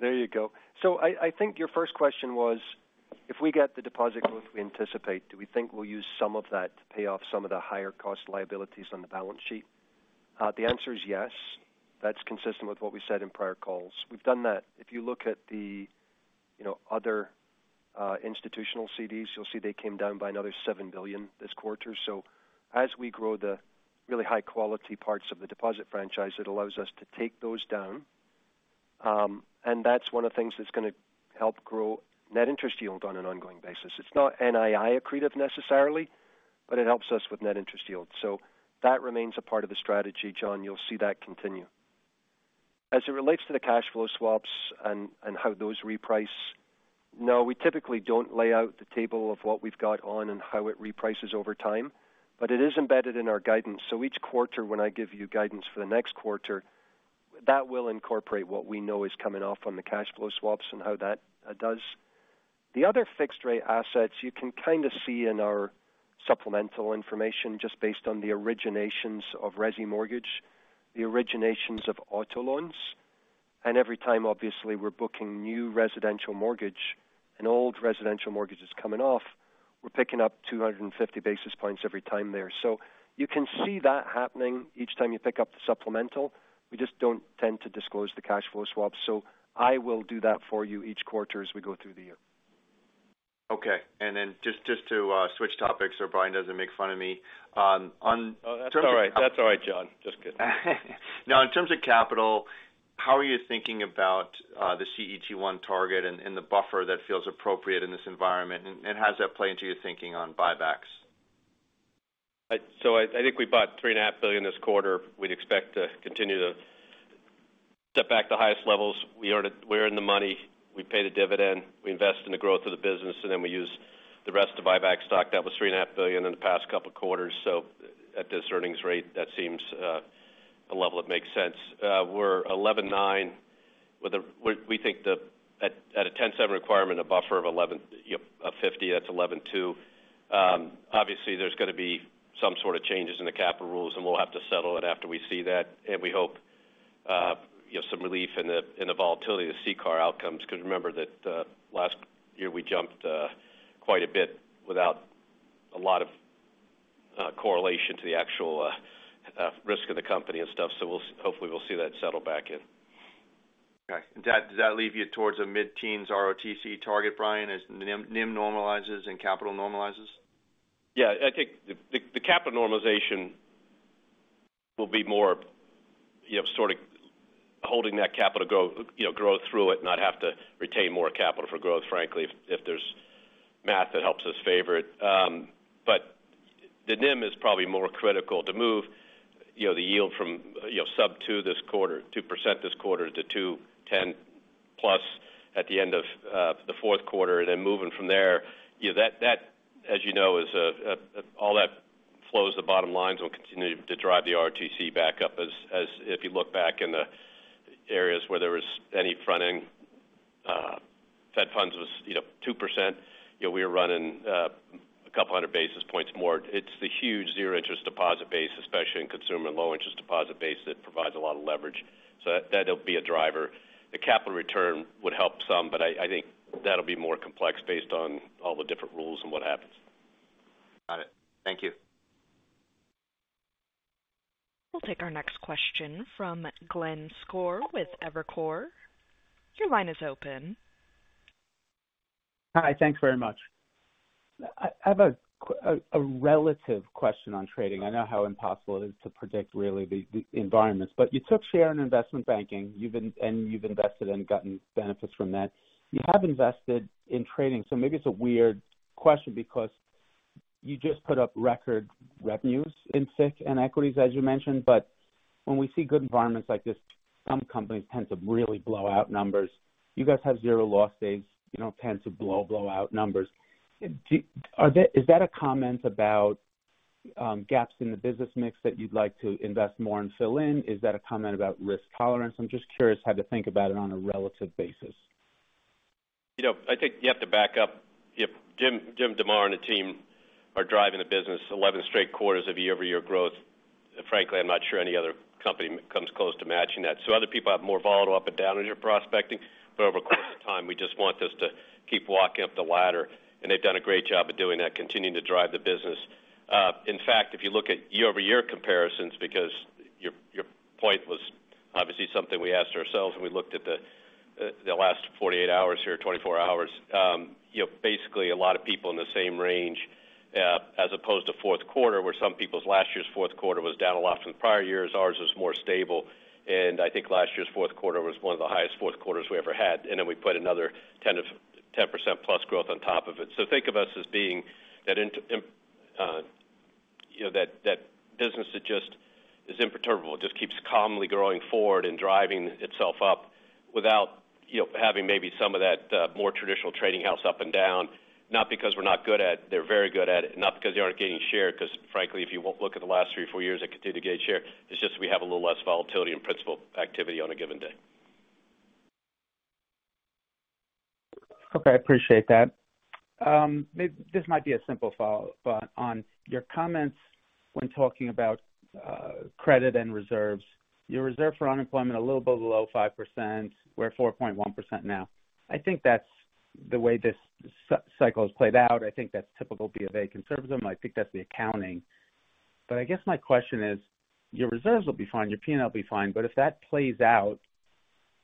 There you go. I think your first question was, if we get the deposit growth we anticipate, do we think we'll use some of that to pay off some of the higher-cost liabilities on the balance sheet? The answer is yes. That's consistent with what we said in prior calls. We've done that. If you look at the other institutional CDs, you'll see they came down by another $7 billion this quarter. So as we grow the really high-quality parts of the deposit franchise, it allows us to take those down. And that's one of the things that's going to help grow net interest yield on an ongoing basis. It's not NII accretive necessarily, but it helps us with net interest yield. So that remains a part of the strategy, John. You'll see that continue. As it relates to the cash flow swaps and how those reprice, no, we typically don't lay out the table of what we've got on and how it reprices over time, but it is embedded in our guidance. So each quarter, when I give you guidance for the next quarter, that will incorporate what we know is coming off on the cash flow swaps and how that does. The other fixed-rate assets, you can kind of see in our supplemental information just based on the originations of resi mortgage, the originations of auto loans. And every time, obviously, we're booking new residential mortgage, an old residential mortgage is coming off, we're picking up 250 basis points every time there. So you can see that happening each time you pick up the supplemental. We just don't tend to disclose the cash flow swaps. So I will do that for you each quarter as we go through the year. Okay. And then just to switch topics so Brian doesn't make fun of me. That's all right. That's all right, John. Just kidding. Now, in terms of capital, how are you thinking about the CET1 target and the buffer that feels appropriate in this environment? And how does that play into your thinking on buybacks? So I think we bought $3.5 billion this quarter. We'd expect to continue to step back to highest levels. We earn the money. We pay the dividend. We invest in the growth of the business, and then we use the rest of buyback stock. That was $3.5 billion in the past couple of quarters. So at this earnings rate, that seems a level that makes sense. We're 11.9% with a, we think, at a 10.7% requirement, a buffer of 11.5%. That's $11.2. Obviously, there's going to be some sort of changes in the capital rules, and we'll have to settle it after we see that, and we hope some relief in the volatility of the CCAR outcomes because remember that last year, we jumped quite a bit without a lot of correlation to the actual risk of the company and stuff. Hopefully, we'll see that settle back in. Okay. Does that leave you towards a mid-teens ROTC target, Brian, as NIM normalizes and capital normalizes? Yeah. I think the capital normalization will be more sort of holding that capital growth through it and not have to retain more capital for growth, frankly, if there's math that helps us favor it. But the NIM is probably more critical to move the yield from sub-2% this quarter, 2% this quarter, to 2.10% plus at the end of the fourth quarter, and then moving from there. That, as you know, is all that flows the bottom lines and will continue to drive the ROTC back up. If you look back in the areas where there was any front-end Fed funds was 2%, we were running a couple hundred basis points more. It's the huge zero-interest deposit base, especially in consumer low-interest deposit base that provides a lot of leverage. So that'll be a driver. The capital return would help some, but I think that'll be more complex based on all the different rules and what happens. Got it. Thank you. We'll take our next question from Glenn Schorr with Evercore. Your line is open. Hi. Thanks very much. I have a relative question on trading. I know how impossible it is to predict really the environments, but you took share in investment banking, and you've invested and gotten benefits from that. You have invested in trading. So maybe it's a weird question because you just put up record revenues in FICC and equities, as you mentioned. But when we see good environments like this, some companies tend to really blow out numbers. You guys have zero loss days, tend to blow out numbers. Is that a comment about gaps in the business mix that you'd like to invest more and fill in? Is that a comment about risk tolerance? I'm just curious how to think about it on a relative basis. I think you have to back up. Jim DeMare and the team are driving the business 11 straight quarters of year-over-year growth. Frankly, I'm not sure any other company comes close to matching that. So other people have more volatile up and down in your prospecting, but over the course of time, we just want this to keep walking up the ladder. And they've done a great job of doing that, continuing to drive the business. In fact, if you look at year-over-year comparisons, because your point was obviously something we asked ourselves when we looked at the last 48 hours here, 24 hours, basically a lot of people in the same range as opposed to fourth quarter, where some people's last year's fourth quarter was down a lot from the prior years. Ours was more stable. And I think last year's fourth quarter was one of the highest fourth quarters we ever had. And then we put another 10% plus growth on top of it. So think of us as being that business that just is imperturbable, just keeps calmly growing forward and driving itself up without having maybe some of that more traditional trading house up and down, not because we're not good at it. They're very good at it. Not because they aren't getting share, because frankly, if you won't look at the last three, four years, they continue to gain share. It's just we have a little less volatility in principal activity on a given day. Okay. I appreciate that. This might be a simple follow-up on your comments when talking about credit and reserves. Your reserve for unemployment a little below 5%. We're at 4.1% now. I think that's the way this cycle has played out. I think that's typical B of A conservatism. I think that's the accounting. But I guess my question is, your reserves will be fine. Your P&L will be fine. But if that plays out,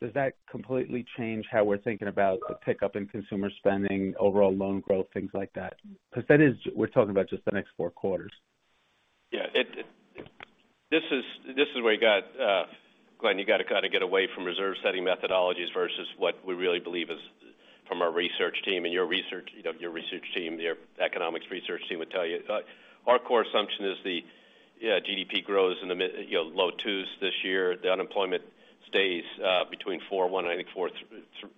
does that completely change how we're thinking about the pickup in consumer spending, overall loan growth, things like that? Because we're talking about just the next four quarters. Yeah. This is where you got Glenn. You got to kind of get away from reserve-setting methodologies versus what we really believe is from our research team. And your research team, your economics research team would tell you. Our core assumption is the GDP grows in the low twos this year. The unemployment stays between 4.1, and I think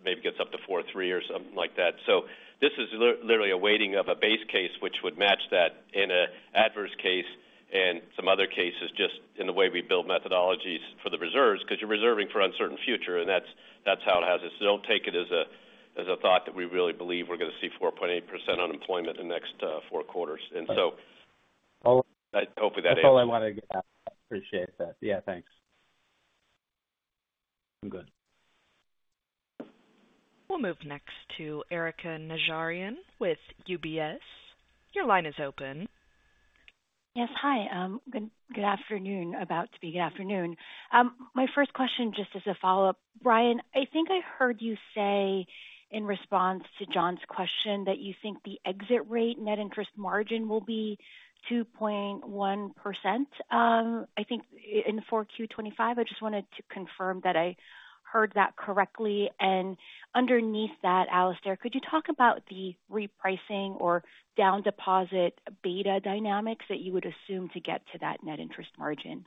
maybe gets up to 4.3 or something like that. So this is literally a weighting of a base case which would match that in an adverse case and some other cases just in the way we build methodologies for the reserves because you're reserving for uncertain future, and that's how it has it. So don't take it as a thought that we really believe we're going to see 4.8% unemployment in the next four quarters. And so hopefully, that answers it. That's all I wanted to get out of that. Appreciate that. Yeah. Thanks. I'm good. We'll move next to Erika Najarian with UBS. Your line is open. Yes. Hi. Good afternoon. About to be good afternoon. My first question just as a follow-up, Brian, I think I heard you say in response to John's question that you think the exit rate net interest margin will be 2.1%, I think, in 4Q 2025. I just wanted to confirm that I heard that correctly, and underneath that, Alastair, could you talk about the repricing or down deposit beta dynamics that you would assume to get to that net interest margin?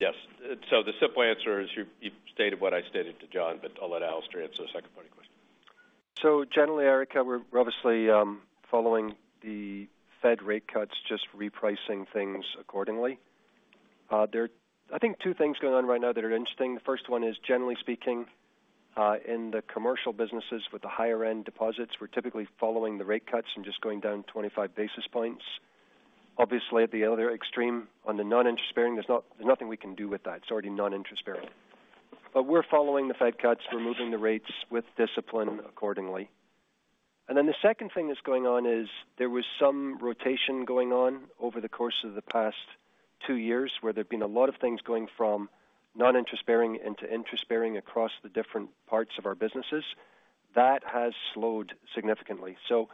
Yes, so the simple answer is you stated what I stated to John, but I'll let Alastair answer the second part of the question. so generally, Erika, we're obviously following the Fed rate cuts, just repricing things accordingly. There are, I think, two things going on right now that are interesting. The first one is, generally speaking, in the commercial businesses with the higher-end deposits, we're typically following the rate cuts and just going down 25 basis points. Obviously, at the other extreme, on the non-interest bearing, there's nothing we can do with that. It's already non-interest bearing. But we're following the Fed cuts, removing the rates with discipline accordingly. And then the second thing that's going on is there was some rotation going on over the course of the past two years where there have been a lot of things going from non-interest bearing into interest bearing across the different parts of our businesses. That has slowed significantly. So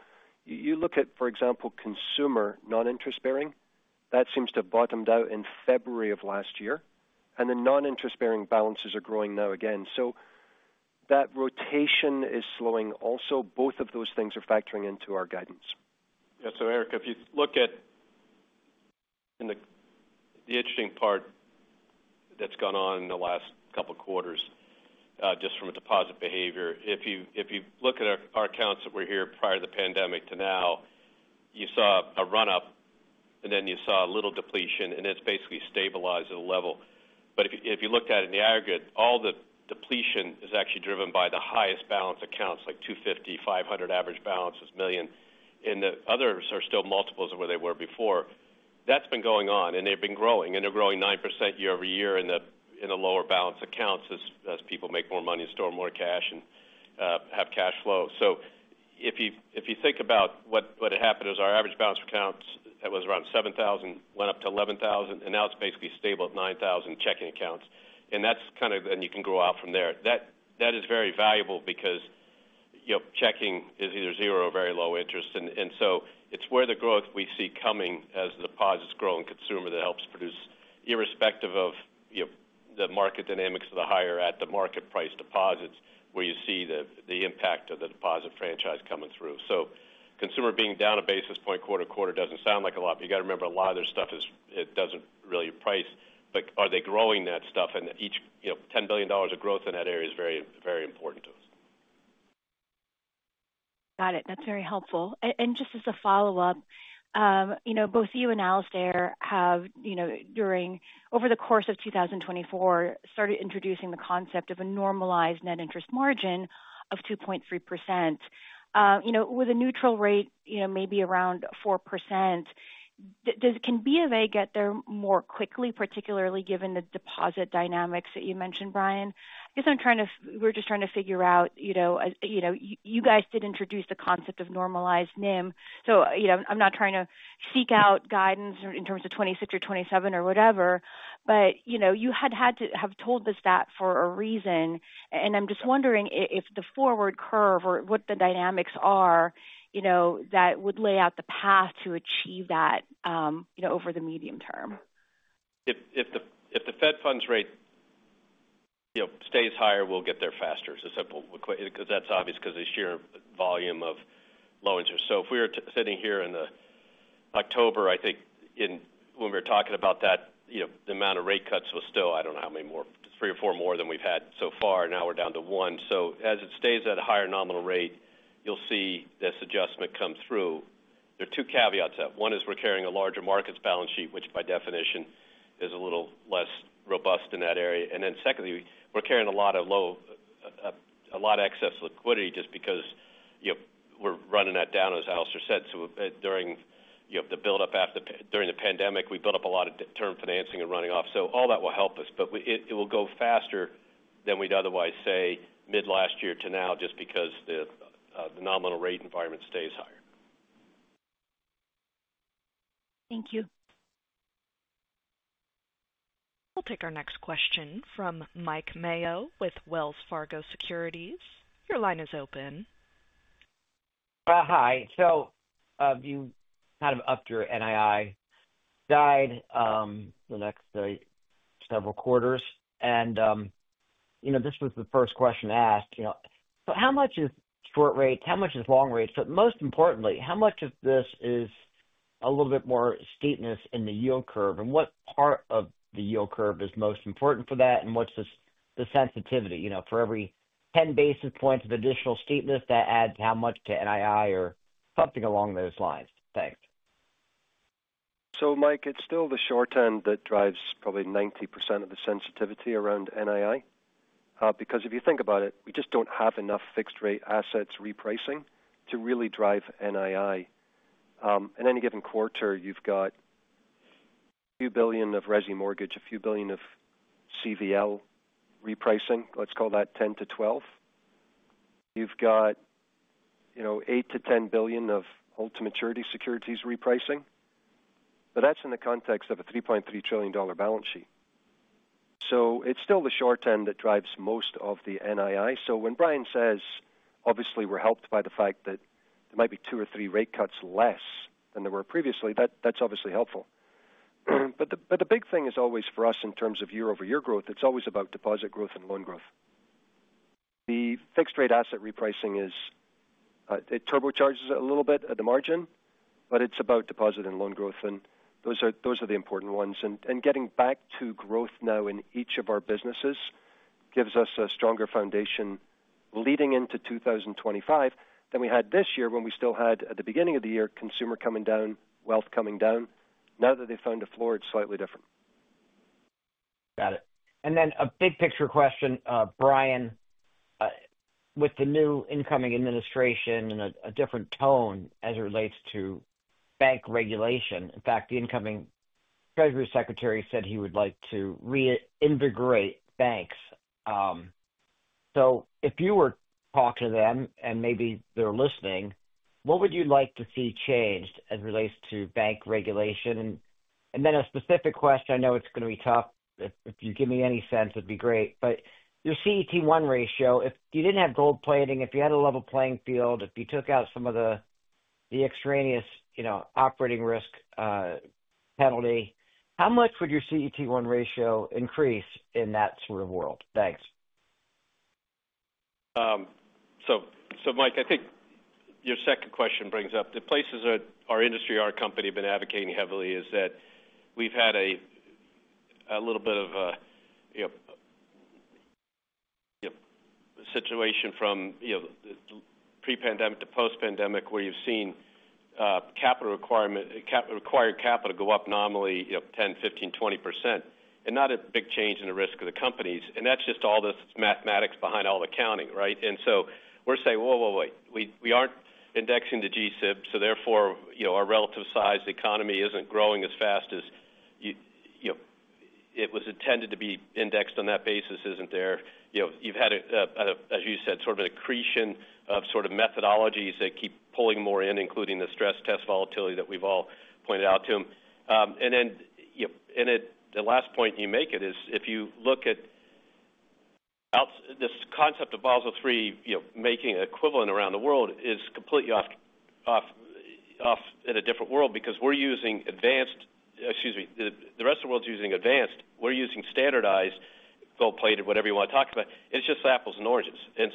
you look at, for example, consumer non-interest bearing. That seems to have bottomed out in February of last year. And the non-interest bearing balances are growing now again. So that rotation is slowing also. Both of those things are factoring into our guidance. Yeah. So Erika, if you look at the interesting part that's gone on in the last couple of quarters just from a deposit behavior, if you look at our accounts that were here prior to the pandemic to now, you saw a run-up, and then you saw a little depletion, and it's basically stabilized at a level. But if you looked at it in the aggregate, all the depletion is actually driven by the highest balance accounts, like $250-$500 million average balances. And the others are still multiples of where they were before. That's been going on, and they've been growing. And they're growing 9% year-over-year in the lower balance accounts as people make more money and store more cash and have cash flow. So if you think about what had happened is our average balance accounts, that was around $7,000, went up to $11,000, and now it's basically stable at $9,000 checking accounts. And that's kind of then you can grow out from there. That is very valuable because checking is either zero or very low interest. And so it's where the growth we see coming as the deposits grow in consumer that helps produce, irrespective of the market dynamics of the higher-at-the-market price deposits where you see the impact of the deposit franchise coming through. So consumer being down a basis point quarter to quarter doesn't sound like a lot, but you got to remember a lot of their stuff; it doesn't really price. But are they growing that stuff? And each $10 billion of growth in that area is very, very important to us. Got it. That's very helpful. And just as a follow-up, both you and Alastair have, over the course of 2024, started introducing the concept of a normalized net interest margin of 2.3% with a neutral rate maybe around 4%. Can B of A get there more quickly, particularly given the deposit dynamics that you mentioned, Brian? I guess we're just trying to figure out. You guys did introduce the concept of normalized NIM. So I'm not trying to seek out guidance in terms of 2026 or 2027 or whatever, but you had had to have told us that for a reason. I'm just wondering if the forward curve or what the dynamics are that would lay out the path to achieve that over the medium term. If the Fed funds rate stays higher, we'll get there faster. It's as simple because that's obvious because of the sheer volume of low interest. So if we were sitting here in October, I think when we were talking about that, the amount of rate cuts was still, I don't know how many more, three or four more than we've had so far. Now we're down to one. So as it stays at a higher nominal rate, you'll see this adjustment come through. There are two caveats there. One is we're carrying a larger markets balance sheet, which by definition is a little less robust in that area. And then secondly, we're carrying a lot of excess liquidity just because we're running that down, as Alastair said. So during the build-up during the pandemic, we built up a lot of term financing and running off. So all that will help us, but it will go faster than we'd otherwise say mid-last year to now just because the nominal rate environment stays higher. Thank you. We'll take our next question from Mike Mayo with Wells Fargo Securities. Your line is open. Hi. So you kind of upped your NII guide the next several quarters. And this was the first question asked. So how much is short rate? How much is long rate? But most importantly, how much of this is a little bit more steepness in the yield curve? And what part of the yield curve is most important for that? And what's the sensitivity? For every 10 basis points of additional steepness, that adds how much to NII or something along those lines? Thanks. So Mike, it's still the short end that drives probably 90% of the sensitivity around NII. Because if you think about it, we just don't have enough fixed-rate assets repricing to really drive NII. In any given quarter, you've got a few billion of resi mortgage, a few billion of CVL repricing. Let's call that 10-12. You've got 8-10 billion of held-to-maturity securities repricing. But that's in the context of a $3.3 trillion balance sheet. It's still the short end that drives most of the NII. When Brian says, obviously, we're helped by the fact that there might be two or three rate cuts less than there were previously, that's obviously helpful. The big thing is always for us in terms of year-over-year growth. It's always about deposit growth and loan growth. The fixed-rate asset repricing turbocharges it a little bit at the margin, but it's about deposit and loan growth. Those are the important ones. Getting back to growth now in each of our businesses gives us a stronger foundation leading into 2025 than we had this year when we still had at the beginning of the year, consumer coming down, wealth coming down. Now that they've found a floor, it's slightly different. Got it. Then a big-picture question, Brian, with the new incoming administration and a different tone as it relates to bank regulation. In fact, the incoming Treasury Secretary said he would like to reinvigorate banks. If you were talking to them and maybe they're listening, what would you like to see changed as it relates to bank regulation? Then a specific question. I know it's going to be tough. If you give me any sense, it'd be great. But your CET1 ratio, if you didn't have gold plating, if you had a level playing field, if you took out some of the extraneous operating risk penalty, how much would your CET1 ratio increase in that sort of world? Thanks. Mike, I think your second question brings up the places our industry, our company have been advocating heavily is that we've had a little bit of a situation from pre-pandemic to post-pandemic where you've seen required capital go up nominally 10%, 15%, 20%, and not a big change in the risk of the companies. And that's just all this mathematics behind all the accounting, right? And so we're saying, "Whoa, whoa, whoa. We aren't indexing to GSIB, so therefore our relative size economy isn't growing as fast as it was intended to be indexed on that basis isn't there." You've had, as you said, sort of an accretion of sort of methodologies that keep pulling more in, including the stress test volatility that we've all pointed out to them. And then the last point you make is if you look at this concept of Basel III making an equivalent around the world is completely off in a different world because we're using advanced, excuse me. The rest of the world's using advanced. We're using standardized gold-plated, whatever you want to talk about. It's just apples and oranges. And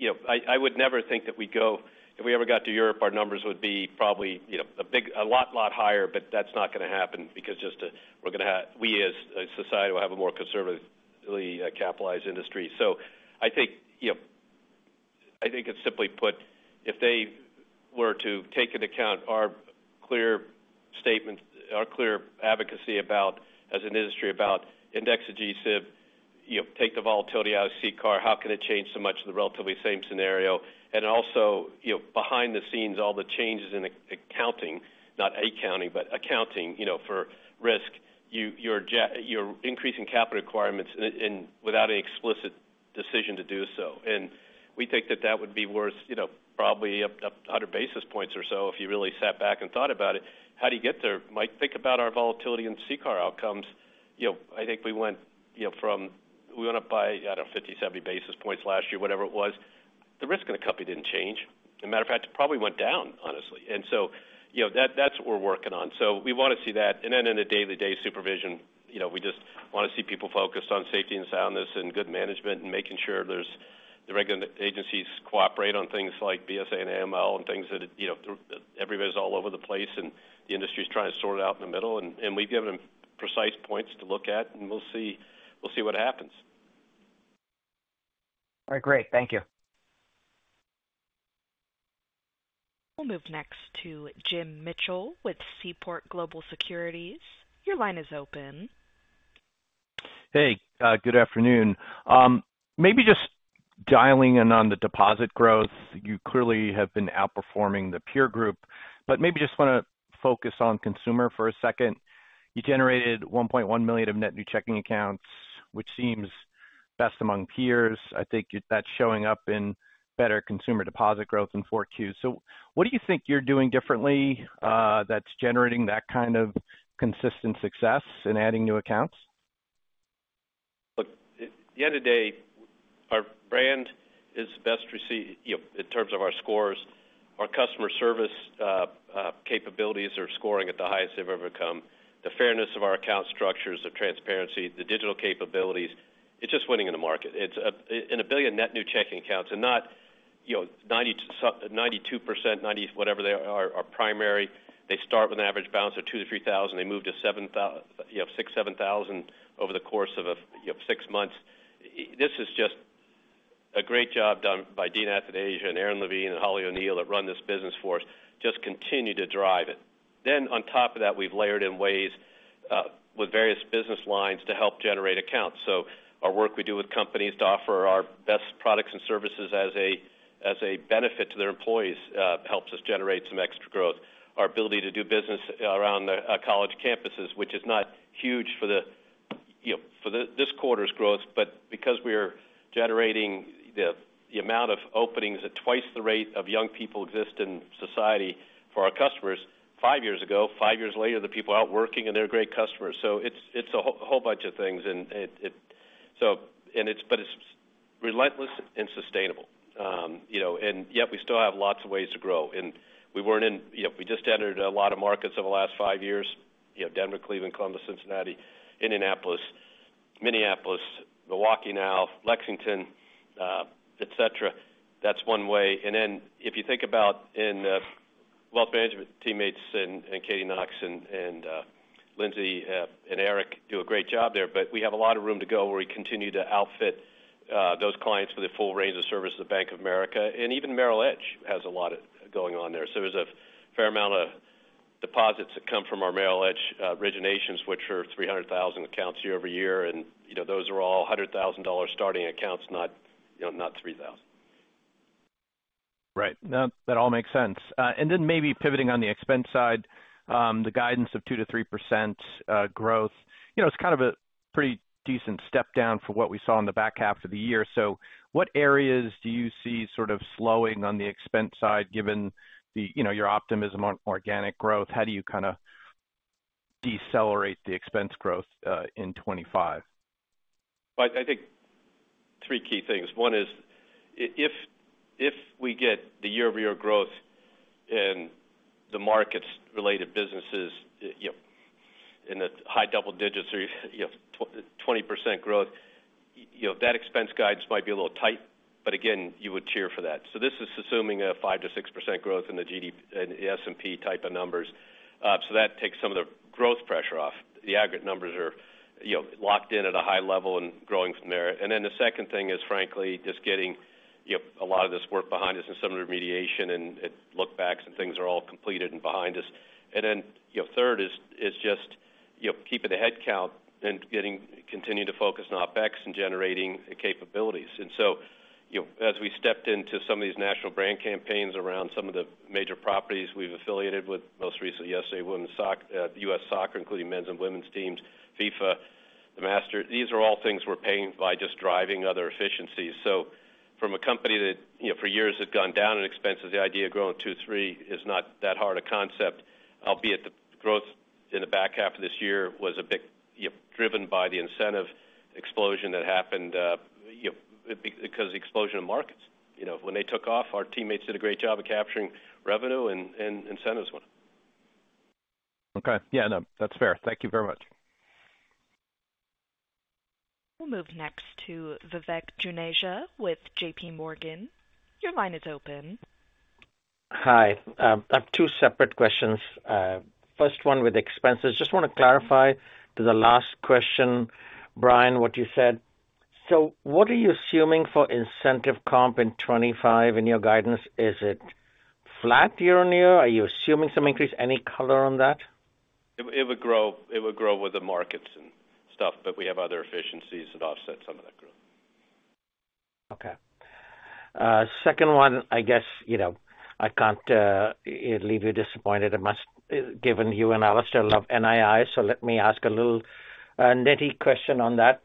so I would never think that we'd go if we ever got to Europe, our numbers would be probably a lot, lot higher, but that's not going to happen because just we as a society will have a more conservatively capitalized industry. So I think it's simply put, if they were to take into account our clear advocacy as an industry about indexing GSIB, take the volatility out of CCAR, how can it change so much in the relatively same scenario? Also behind the scenes, all the changes in accounting, not accounting, but accounting for risk, you're increasing capital requirements without an explicit decision to do so. We think that that would be worth probably 100 basis points or so if you really sat back and thought about it. How do you get there? Mike, think about our volatility in CCAR outcomes. I think we went up by, I don't know, 50, 70 basis points last year, whatever it was. The risk in the company didn't change. As a matter of fact, it probably went down, honestly. That's what we're working on. We want to see that. And then in the day-to-day supervision, we just want to see people focused on safety and soundness and good management and making sure the regulatory agencies cooperate on things like BSA and AML and things that everybody's all over the place and the industry's trying to sort it out in the middle. And we've given them precise points to look at, and we'll see what happens. All right. Great. Thank you. We'll move next to Jim Mitchell with Seaport Global Securities. Your line is open. Hey. Good afternoon. Maybe just dialing in on the deposit growth. You clearly have been outperforming the peer group, but maybe just want to focus on consumer for a second. You generated 1.1 million of net new checking accounts, which seems best among peers. I think that's showing up in better consumer deposit growth and 4Q. So what do you think you're doing differently that's generating that kind of consistent success in adding new accounts? Look, at the end of the day, our brand is best received in terms of our scores. Our customer service capabilities are scoring at the highest they've ever come. The fairness of our account structures, the transparency, the digital capabilities, it's just winning in the market. It's a billion net new checking accounts and 92%, 90%, whatever they are our primary. They start with an average balance of two to three thousand. They moved to six, seven thousand over the course of six months. This is just a great job done by Dean Athanasia and Aron Levine and Holly O'Neill that run this business for us. Just continue to drive it. Then on top of that, we've layered in ways with various business lines to help generate accounts. Our work we do with companies to offer our best products and services as a benefit to their employees helps us generate some extra growth. Our ability to do business around college campuses, which is not huge for this quarter's growth, but because we're generating the amount of openings at twice the rate of young people exist in society for our customers five years ago, five years later, the people are out working, and they're great customers. It's a whole bunch of things. It's relentless and sustainable. Yet we still have lots of ways to grow. We just entered a lot of markets over the last five years: Denver, Cleveland, Columbus, Cincinnati, Indianapolis, Minneapolis, Milwaukee now, Lexington, etc. That's one way. And then if you think about in wealth management, teammates and Katy Knox and Lindsay and Eric do a great job there, but we have a lot of room to go where we continue to outfit those clients with a full range of services at Bank of America. And even Merrill Edge has a lot going on there. So there's a fair amount of deposits that come from our Merrill Edge originations, which are 300,000 accounts year-over-year. And those are all $100,000 starting accounts, not 3,000. Right. That all makes sense. And then maybe pivoting on the expense side, the guidance of 2%-3% growth, it's kind of a pretty decent step down from what we saw in the back half of the year. So what areas do you see sort of slowing on the expense side given your optimism on organic growth? How do you kind of decelerate the expense growth in 2025? I think three key things. One is if we get the year-over-year growth in the markets-related businesses in the high double digits or 20% growth, that expense guidance might be a little tight, but again, you would cheer for that. So this is assuming a 5%-6% growth in the S&P type of numbers. So that takes some of the growth pressure off. The aggregate numbers are locked in at a high level and growing from there. And then the second thing is, frankly, just getting a lot of this work behind us and some of the remediation and look-backs and things are all completed and behind us. And then third is just keeping the headcount and continuing to focus on OpEx and generating the capabilities. And so as we stepped into some of these national brand campaigns around some of the major properties we've affiliated with, most recently yesterday, U.S. Soccer, including men's and women's teams, FIFA, the Masters. These are all things we're paying for by just driving other efficiencies. So from a company that for years had gone down in expenses, the idea of growing 2-3 is not that hard a concept, albeit the growth in the back half of this year was a bit driven by the incentive explosion that happened because of the explosion of markets. When they took off, our teammates did a great job of capturing revenue and incentives went. Okay. Yeah, no. That's fair. Thank you very much. We'll move next to Vivek Juneja with JPMorgan. Your line is open. Hi. I have two separate questions. First one with expenses. Just want to clarify to the last question, Brian, what you said. So what are you assuming for incentive comp in 2025 in your guidance? Is it flat year-on-year? Are you assuming some increase? Any color on that? It would grow with the markets and stuff, but we have other efficiencies that offset some of that growth. Okay. Second one, I guess I can't leave you disappointed. Given you and Alastair love NII, so let me ask a little nitty question on that.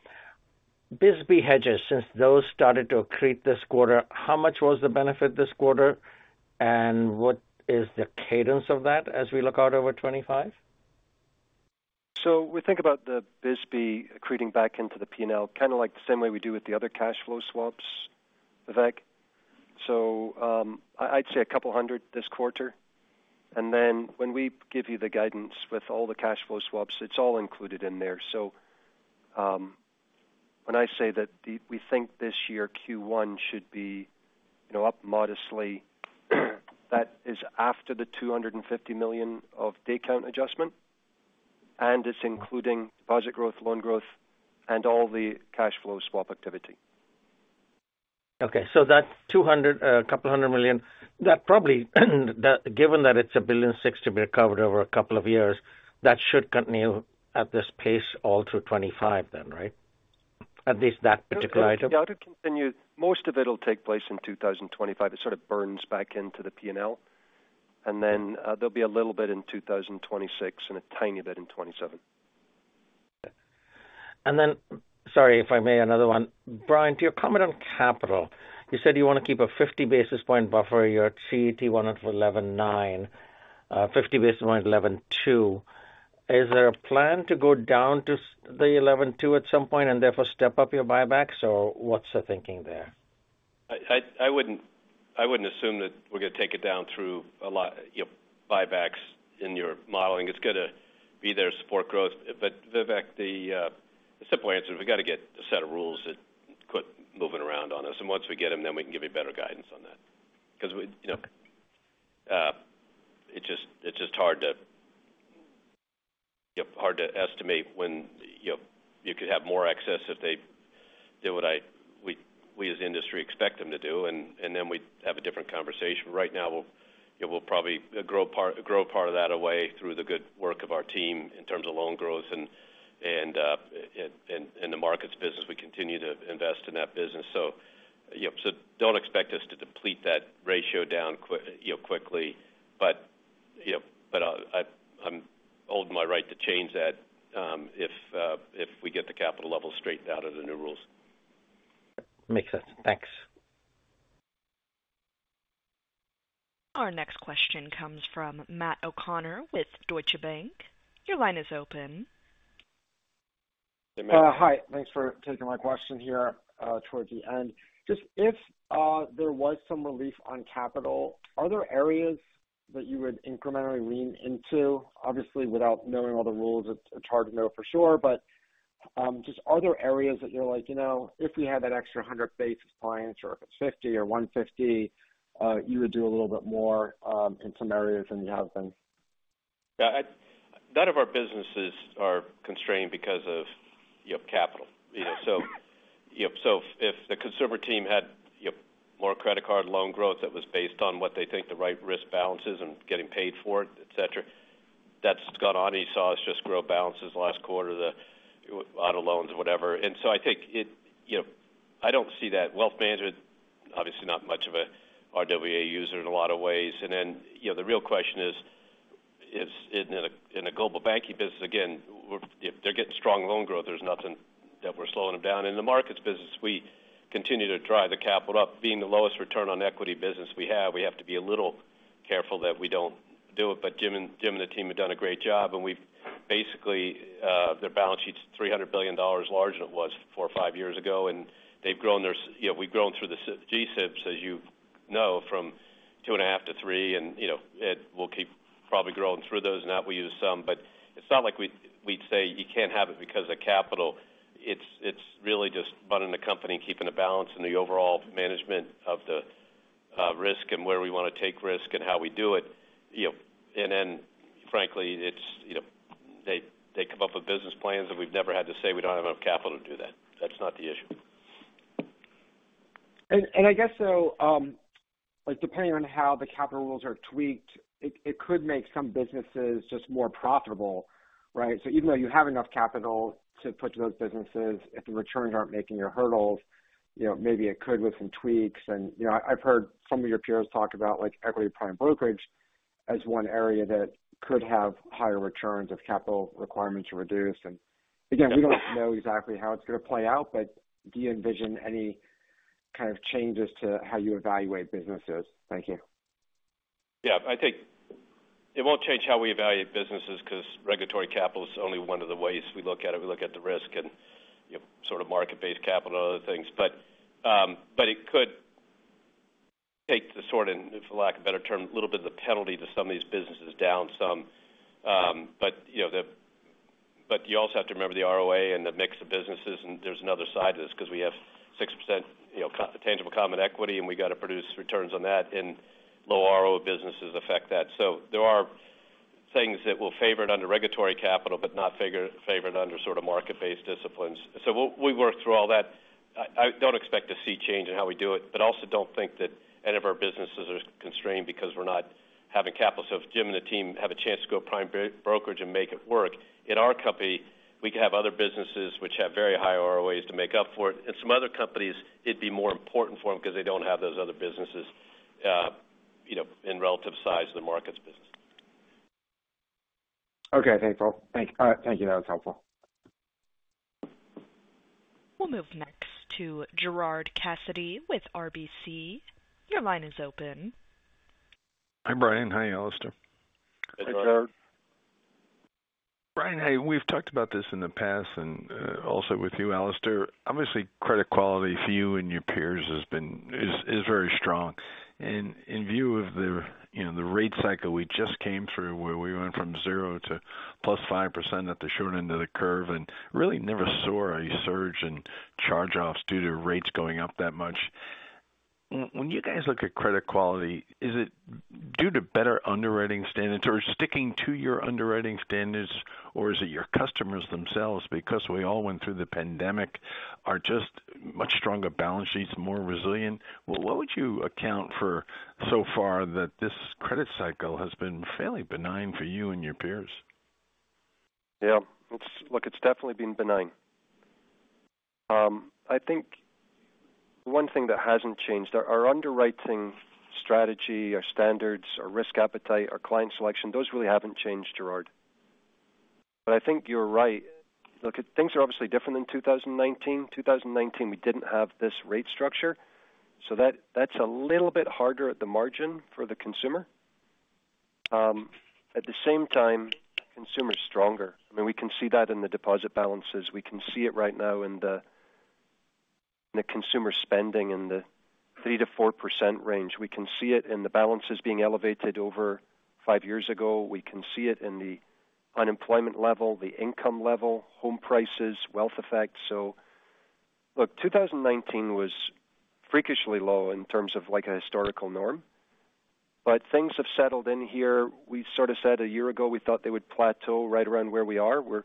BSBY hedges, since those started to accrete this quarter, how much was the benefit this quarter? And what is the cadence of that as we look out over 2025? So we think about the BSBY accreting back into the P&L kind of like the same way we do with the other cash flow swaps, Vivek. So I'd say a couple hundred this quarter. And then when we give you the guidance with all the cash flow swaps, it's all included in there. So when I say that we think this year Q1 should be up modestly, that is after the $250 million of daycount adjustment, and it's including deposit growth, loan growth, and all the cash flow swap activity. Okay. So that $200 million, a couple hundred million, that probably, given that it's a $1.6 billion to be recovered over a couple of years, that should continue at this pace all through 2025 then, right? At least that particular item. Yeah, it'll continue. Most of it will take place in 2025. It sort of burns back into the P&L. And then, sorry, if I may, another one. Brian, to your comment on capital, you said you want to keep a 50 basis point buffer. Your CET1 of 11.9%, 50 basis point 11.2%. Is there a plan to go down to the 11.2% at some point and therefore step up your buybacks? Or what's the thinking there? I wouldn't assume that we're going to take it down through a lot of buybacks in your modeling. It's going to be there to support growth. But Vivek, the simple answer is we've got to get a set of rules that quit moving around on us. And once we get them, then we can give you better guidance on that. Because it's just hard to estimate when you could have more excess if they did what we as industry expect them to do, and then we'd have a different conversation. Right now, we'll probably grow part of that away through the good work of our team in terms of loan growth and the markets business. We continue to invest in that business. So don't expect us to deplete that ratio down quickly. But I'm holding my right to change that if we get the capital level straightened out of the new rules. Makes sense. Thanks. Our next question comes from Matt O'Connor with Deutsche Bank. Your line is open. Hey, Matt. Hi. Thanks for taking my question here towards the end. Just if there was some relief on capital, are there areas that you would incrementally lean into? Obviously, without knowing all the rules, it's hard to know for sure, but just are there areas that you're like, "If we had that extra 100 basis points or if it's 50 or 150, you would do a little bit more in some areas than you have been?" Yeah. None of our businesses are constrained because of capital. So if the consumer team had more credit card loan growth that was based on what they think the right risk balance is and getting paid for it, etc., that's gone on. You saw us just grow balances last quarter of auto loans or whatever, and so I think I don't see that. Wealth management, obviously, not much of an RWA user in a lot of ways, and then the real question is, in a Global Banking business, again, if they're getting strong loan growth, there's nothing that we're slowing them down. In the markets business, we continue to drive the capital up. Being the lowest return on equity business we have, we have to be a little careful that we don't do it, but Jim and the team have done a great job. Basically, their balance sheet's $300 billion larger than it was four or five years ago. And they've grown; we've grown through the GSIBs, as you know, from two and a half to three. And we'll keep probably growing through those. And that will use some, but it's not like we'd say you can't have it because of capital. It's really just running the company and keeping a balance in the overall management of the risk and where we want to take risk and how we do it. And then, frankly, they come up with business plans that we've never had to say we don't have enough capital to do that. That's not the issue. And I guess, though, depending on how the capital rules are tweaked, it could make some businesses just more profitable, right? So even though you have enough capital to put to those businesses, if the returns aren't making your hurdles, maybe it could with some tweaks. And I've heard some of your peers talk about equity prime brokerage as one area that could have higher returns if capital requirements are reduced. And again, we don't know exactly how it's going to play out, but do you envision any kind of changes to how you evaluate businesses? Thank you. Yeah. I think it won't change how we evaluate businesses because regulatory capital is only one of the ways we look at it. We look at the risk and sort of market-based capital and other things. But it could take the sort of, for lack of a better term, a little bit of the penalty to some of these businesses down some. You also have to remember the ROA and the mix of businesses. There's another side of this because we have 6% tangible common equity, and we got to produce returns on that. Low ROA businesses affect that. There are things that will favor it under regulatory capital but not favor it under sort of market-based disciplines. We worked through all that. I don't expect to see change in how we do it, but also don't think that any of our businesses are constrained because we're not having capital. So if Jim and the team have a chance to go prime brokerage and make it work, in our company, we could have other businesses which have very high ROAs to make up for it. In some other companies, it'd be more important for them because they don't have those other businesses in relative size to the markets business. Okay. Thanks, Paul. Thank you. All right. Thank you. That was helpful. We'll move next to Gerard Cassidy with RBC. Your line is open. Hi, Brian. Hi, Alastair. Hey, Gerard. Brian, hey, we've talked about this in the past and also with you, Alastair. Obviously, credit quality for you and your peers is very strong. In view of the rate cycle we just came through, where we went from 0% to +5% at the short end of the curve and really never saw a surge in charge-offs due to rates going up that much, when you guys look at credit quality, is it due to better underwriting standards or sticking to your underwriting standards, or is it your customers themselves? Because we all went through the pandemic, are just much stronger balance sheets, more resilient. What would you account for so far that this credit cycle has been fairly benign for you and your peers? Yeah. Look, it's definitely been benign. I think one thing that hasn't changed: our underwriting strategy, our standards, our risk appetite, our client selection, those really haven't changed, Gerard. But I think you're right. Look, things are obviously different in 2019. 2019, we didn't have this rate structure. So that's a little bit harder at the margin for the consumer. At the same time, consumer is stronger. I mean, we can see that in the deposit balances. We can see it right now in the consumer spending in the 3%-4% range. We can see it in the balances being elevated over five years ago. We can see it in the unemployment level, the income level, home prices, wealth effect. So look, 2019 was freakishly low in terms of a historical norm. But things have settled in here. We sort of said a year ago we thought they would plateau right around where we are. We're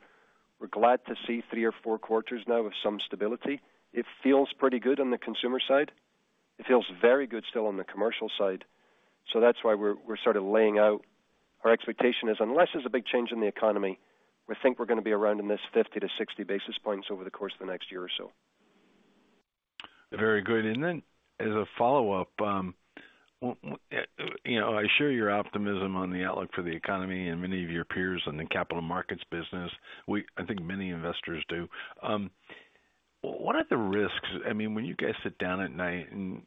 glad to see three or four quarters now of some stability. It feels pretty good on the consumer side. It feels very good still on the commercial side. That's why we're sort of laying out our expectation is, unless there's a big change in the economy, we think we're going to be around in this 50-60 basis points over the course of the next year or so. Very good. Then as a follow-up, I share your optimism on the outlook for the economy and many of your peers in the capital markets business. I think many investors do. What are the risks? I mean, when you guys sit down at night and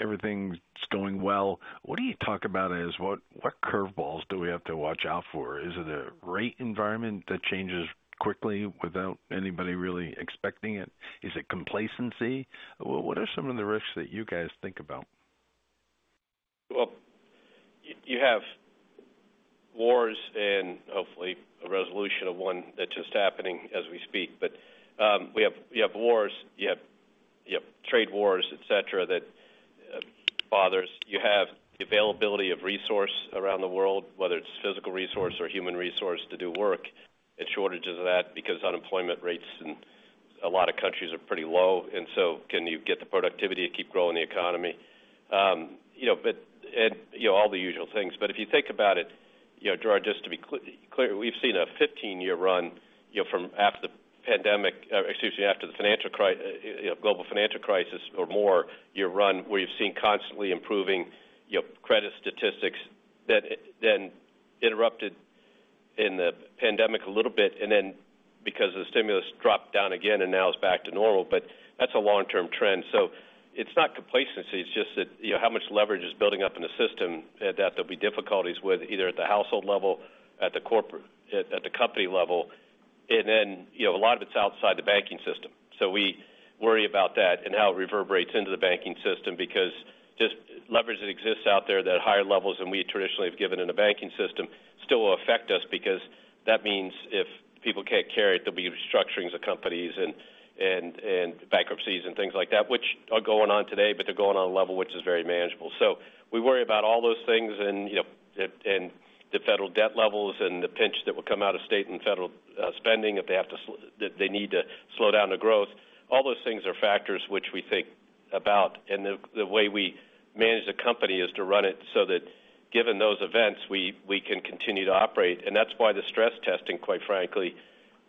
everything's going well, what do you talk about as what curveballs do we have to watch out for? Is it a rate environment that changes quickly without anybody really expecting it? Is it complacency? What are some of the risks that you guys think about? You have wars and hopefully a resolution of one that's just happening as we speak. But we have wars. You have trade wars, etc., that bothers. You have the availability of resources around the world, whether it's physical resources or human resources to do work. There's shortages that because unemployment rates in a lot of countries are pretty low. And so can you get the productivity to keep growing the economy? And all the usual things. But if you think about it, Gerard, just to be clear, we've seen a 15-year run from after the pandemic, excuse me, after the global financial crisis or more year run where you've seen constantly improving credit statistics that then interrupted in the pandemic a little bit and then because the stimulus dropped down again and now it's back to normal. But that's a long-term trend. So it's not complacency. It's just that how much leverage is building up in the system that there'll be difficulties with either at the household level, at the corporate, at the company level, and then a lot of it's outside the banking system, so we worry about that and how it reverberates into the banking system because just leverage that exists out there that are higher levels than we traditionally have given in the banking system still will affect us because that means if people can't carry it, there'll be restructurings of companies and bankruptcies and things like that, which are going on today, but they're going on a level which is very manageable, so we worry about all those things and the federal debt levels and the pinch that will come out of state and federal spending if they need to slow down the growth. All those things are factors which we think about. And the way we manage the company is to run it so that given those events, we can continue to operate. And that's why the stress testing, quite frankly,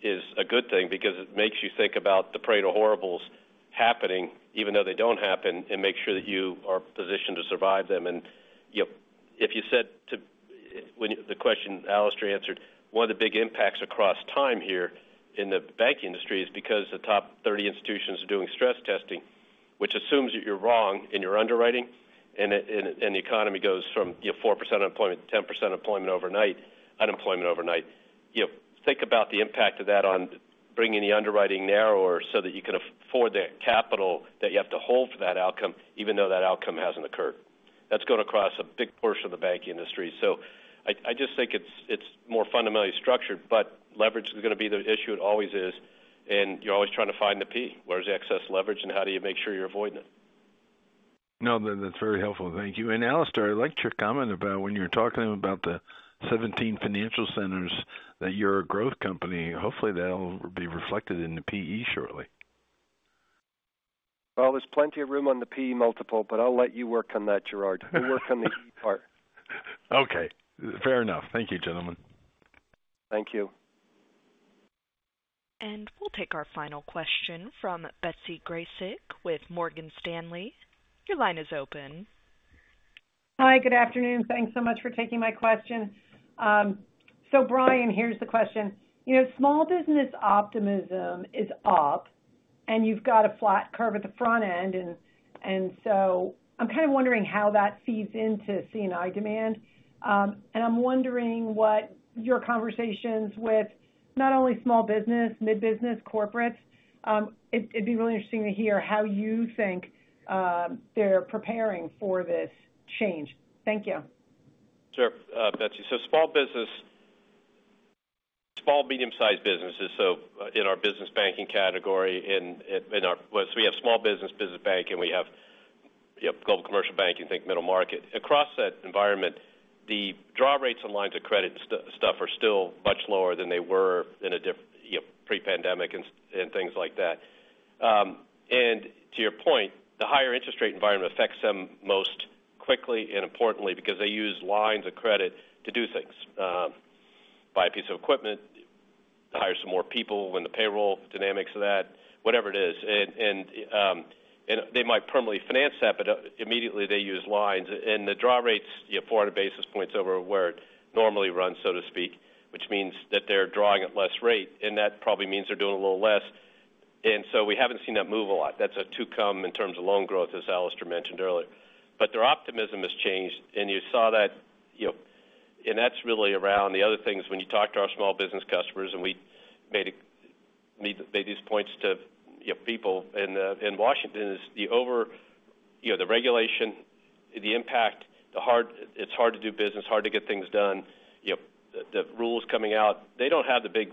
is a good thing because it makes you think about the parade of horribles happening even though they don't happen and make sure that you are positioned to survive them. And if you said to the question Alastair answered, one of the big impacts across time here in the banking industry is because the top 30 institutions are doing stress testing, which assumes that you're wrong in your underwriting and the economy goes from 4% unemployment to 10% unemployment overnight, think about the impact of that on bringing the underwriting narrower so that you can afford the capital that you have to hold for that outcome even though that outcome hasn't occurred. That's going across a big portion of the banking industry. So I just think it's more fundamentally structured, but leverage is going to be the issue it always is. And you're always trying to find the P. Where's excess leverage and how do you make sure you're avoiding it? No, that's very helpful. Thank you. And Alastair, I liked your comment about when you were talking about the 17 Financial Centers that you're a growth company. Hopefully, that'll be reflected in the PE shortly. Well, there's plenty of room on the PE multiple, but I'll let you work on that, Gerard. You work on the E part. Okay. Fair enough. Thank you, gentlemen. Thank you. And we'll take our final question from Betsy Graseck with Morgan Stanley. Your line is open. Hi. Good afternoon. Thanks so much for taking my question. So Brian, here's the question. Small business optimism is up, and you've got a flat curve at the front end. And so I'm kind of wondering how that feeds into C&I demand. And I'm wondering what your conversations with not only small business, mid-business, corporates, it'd be really interesting to hear how you think they're preparing for this change. Thank you. Sure, Betsy. So small business, small, medium-sized businesses, so in our business banking category, so we have small business, business bank, and we have global commercial banking, think middle market. Across that environment, the draw rates on lines of credit stuff are still much lower than they were in a pre-pandemic and things like that. And to your point, the higher interest rate environment affects them most quickly and importantly because they use lines of credit to do things. Buy a piece of equipment, hire some more people, win the payroll, dynamics of that, whatever it is. And they might permanently finance that, but immediately they use lines. And the draw rate's 400 basis points over where it normally runs, so to speak, which means that they're drawing at less rate. And that probably means they're doing a little less. And so we haven't seen that move a lot. That's a to-come in terms of loan growth, as Alastair mentioned earlier. But their optimism has changed. And you saw that. And that's really around the other things when you talk to our small business customers, and we made these points to people in Washington, is the regulation, the impact, it's hard to do business, hard to get things done, the rules coming out. They don't have the big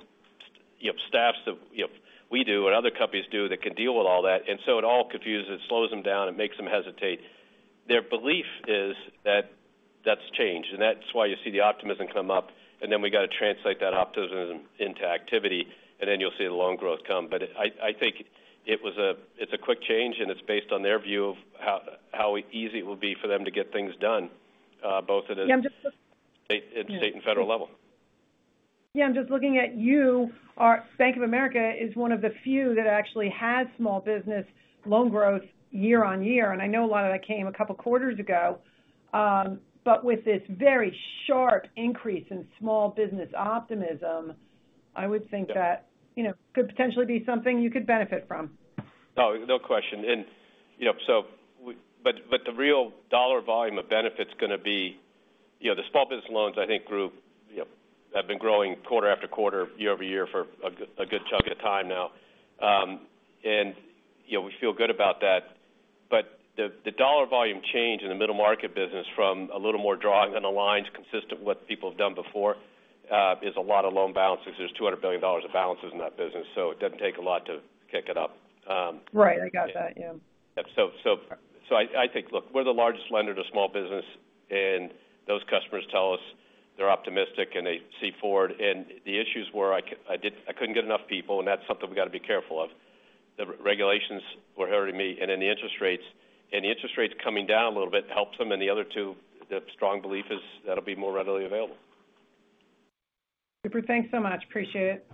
staffs that we do and other companies do that can deal with all that. And so it all confuses them, slows them down, and makes them hesitate. Their belief is that that's changed. And that's why you see the optimism come up. And then we got to translate that optimism into activity. And then you'll see the loan growth come. But I think it's a quick change, and it's based on their view of how easy it will be for them to get things done, both at a state and federal level. Yeah. I'm just looking at you. Bank of America is one of the few that actually has small business loan growth year-on-year. And I know a lot of that came a couple of quarters ago. But with this very sharp increase in small business optimism, I would think that could potentially be something you could benefit from. No, no question. And so but the real dollar volume of benefit's going to be the small business loans, I think, have been growing quarter after quarter, year-over-year for a good chunk of time now. And we feel good about that. But the dollar volume change in the middle market business from a little more drawing on the lines consistent with what people have done before is a lot of loan balances. There's $200 billion of balances in that business. So it doesn't take a lot to kick it up. Right. I got that. Yeah. So I think, look, we're the largest lender to small business, and those customers tell us they're optimistic and they see forward. And the issues were I couldn't get enough people, and that's something we got to be careful of. The regulations were hurting me. And then the interest rates, and the interest rates coming down a little bit helps them. And the other two, the strong belief is that'll be more readily available. Super. Thanks so much. Appreciate it.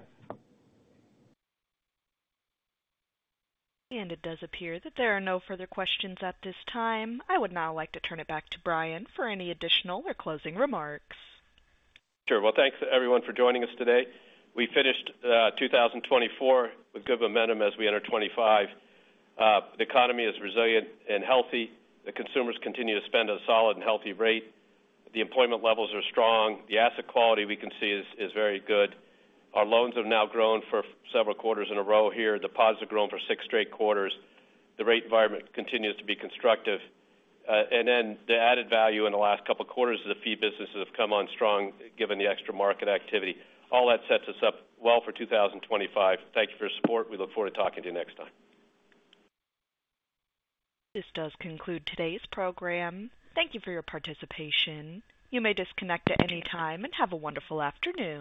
And it does appear that there are no further questions at this time. I would now like to turn it back to Brian for any additional or closing remarks. Sure. Well, thanks everyone for joining us today. We finished 2024 with good momentum as we enter 2025. The economy is resilient and healthy. The consumers continue to spend at a solid and healthy rate. The employment levels are strong. The asset quality we can see is very good. Our loans have now grown for several quarters in a row here. Deposits have grown for six straight quarters. The rate environment continues to be constructive. And then the added value in the last couple of quarters of the fee businesses have come on strong given the extra market activity. All that sets us up well for 2025. Thank you for your support. We look forward to talking to you next time. This does conclude today's program. Thank you for your participation. You may disconnect at any time and have a wonderful afternoon.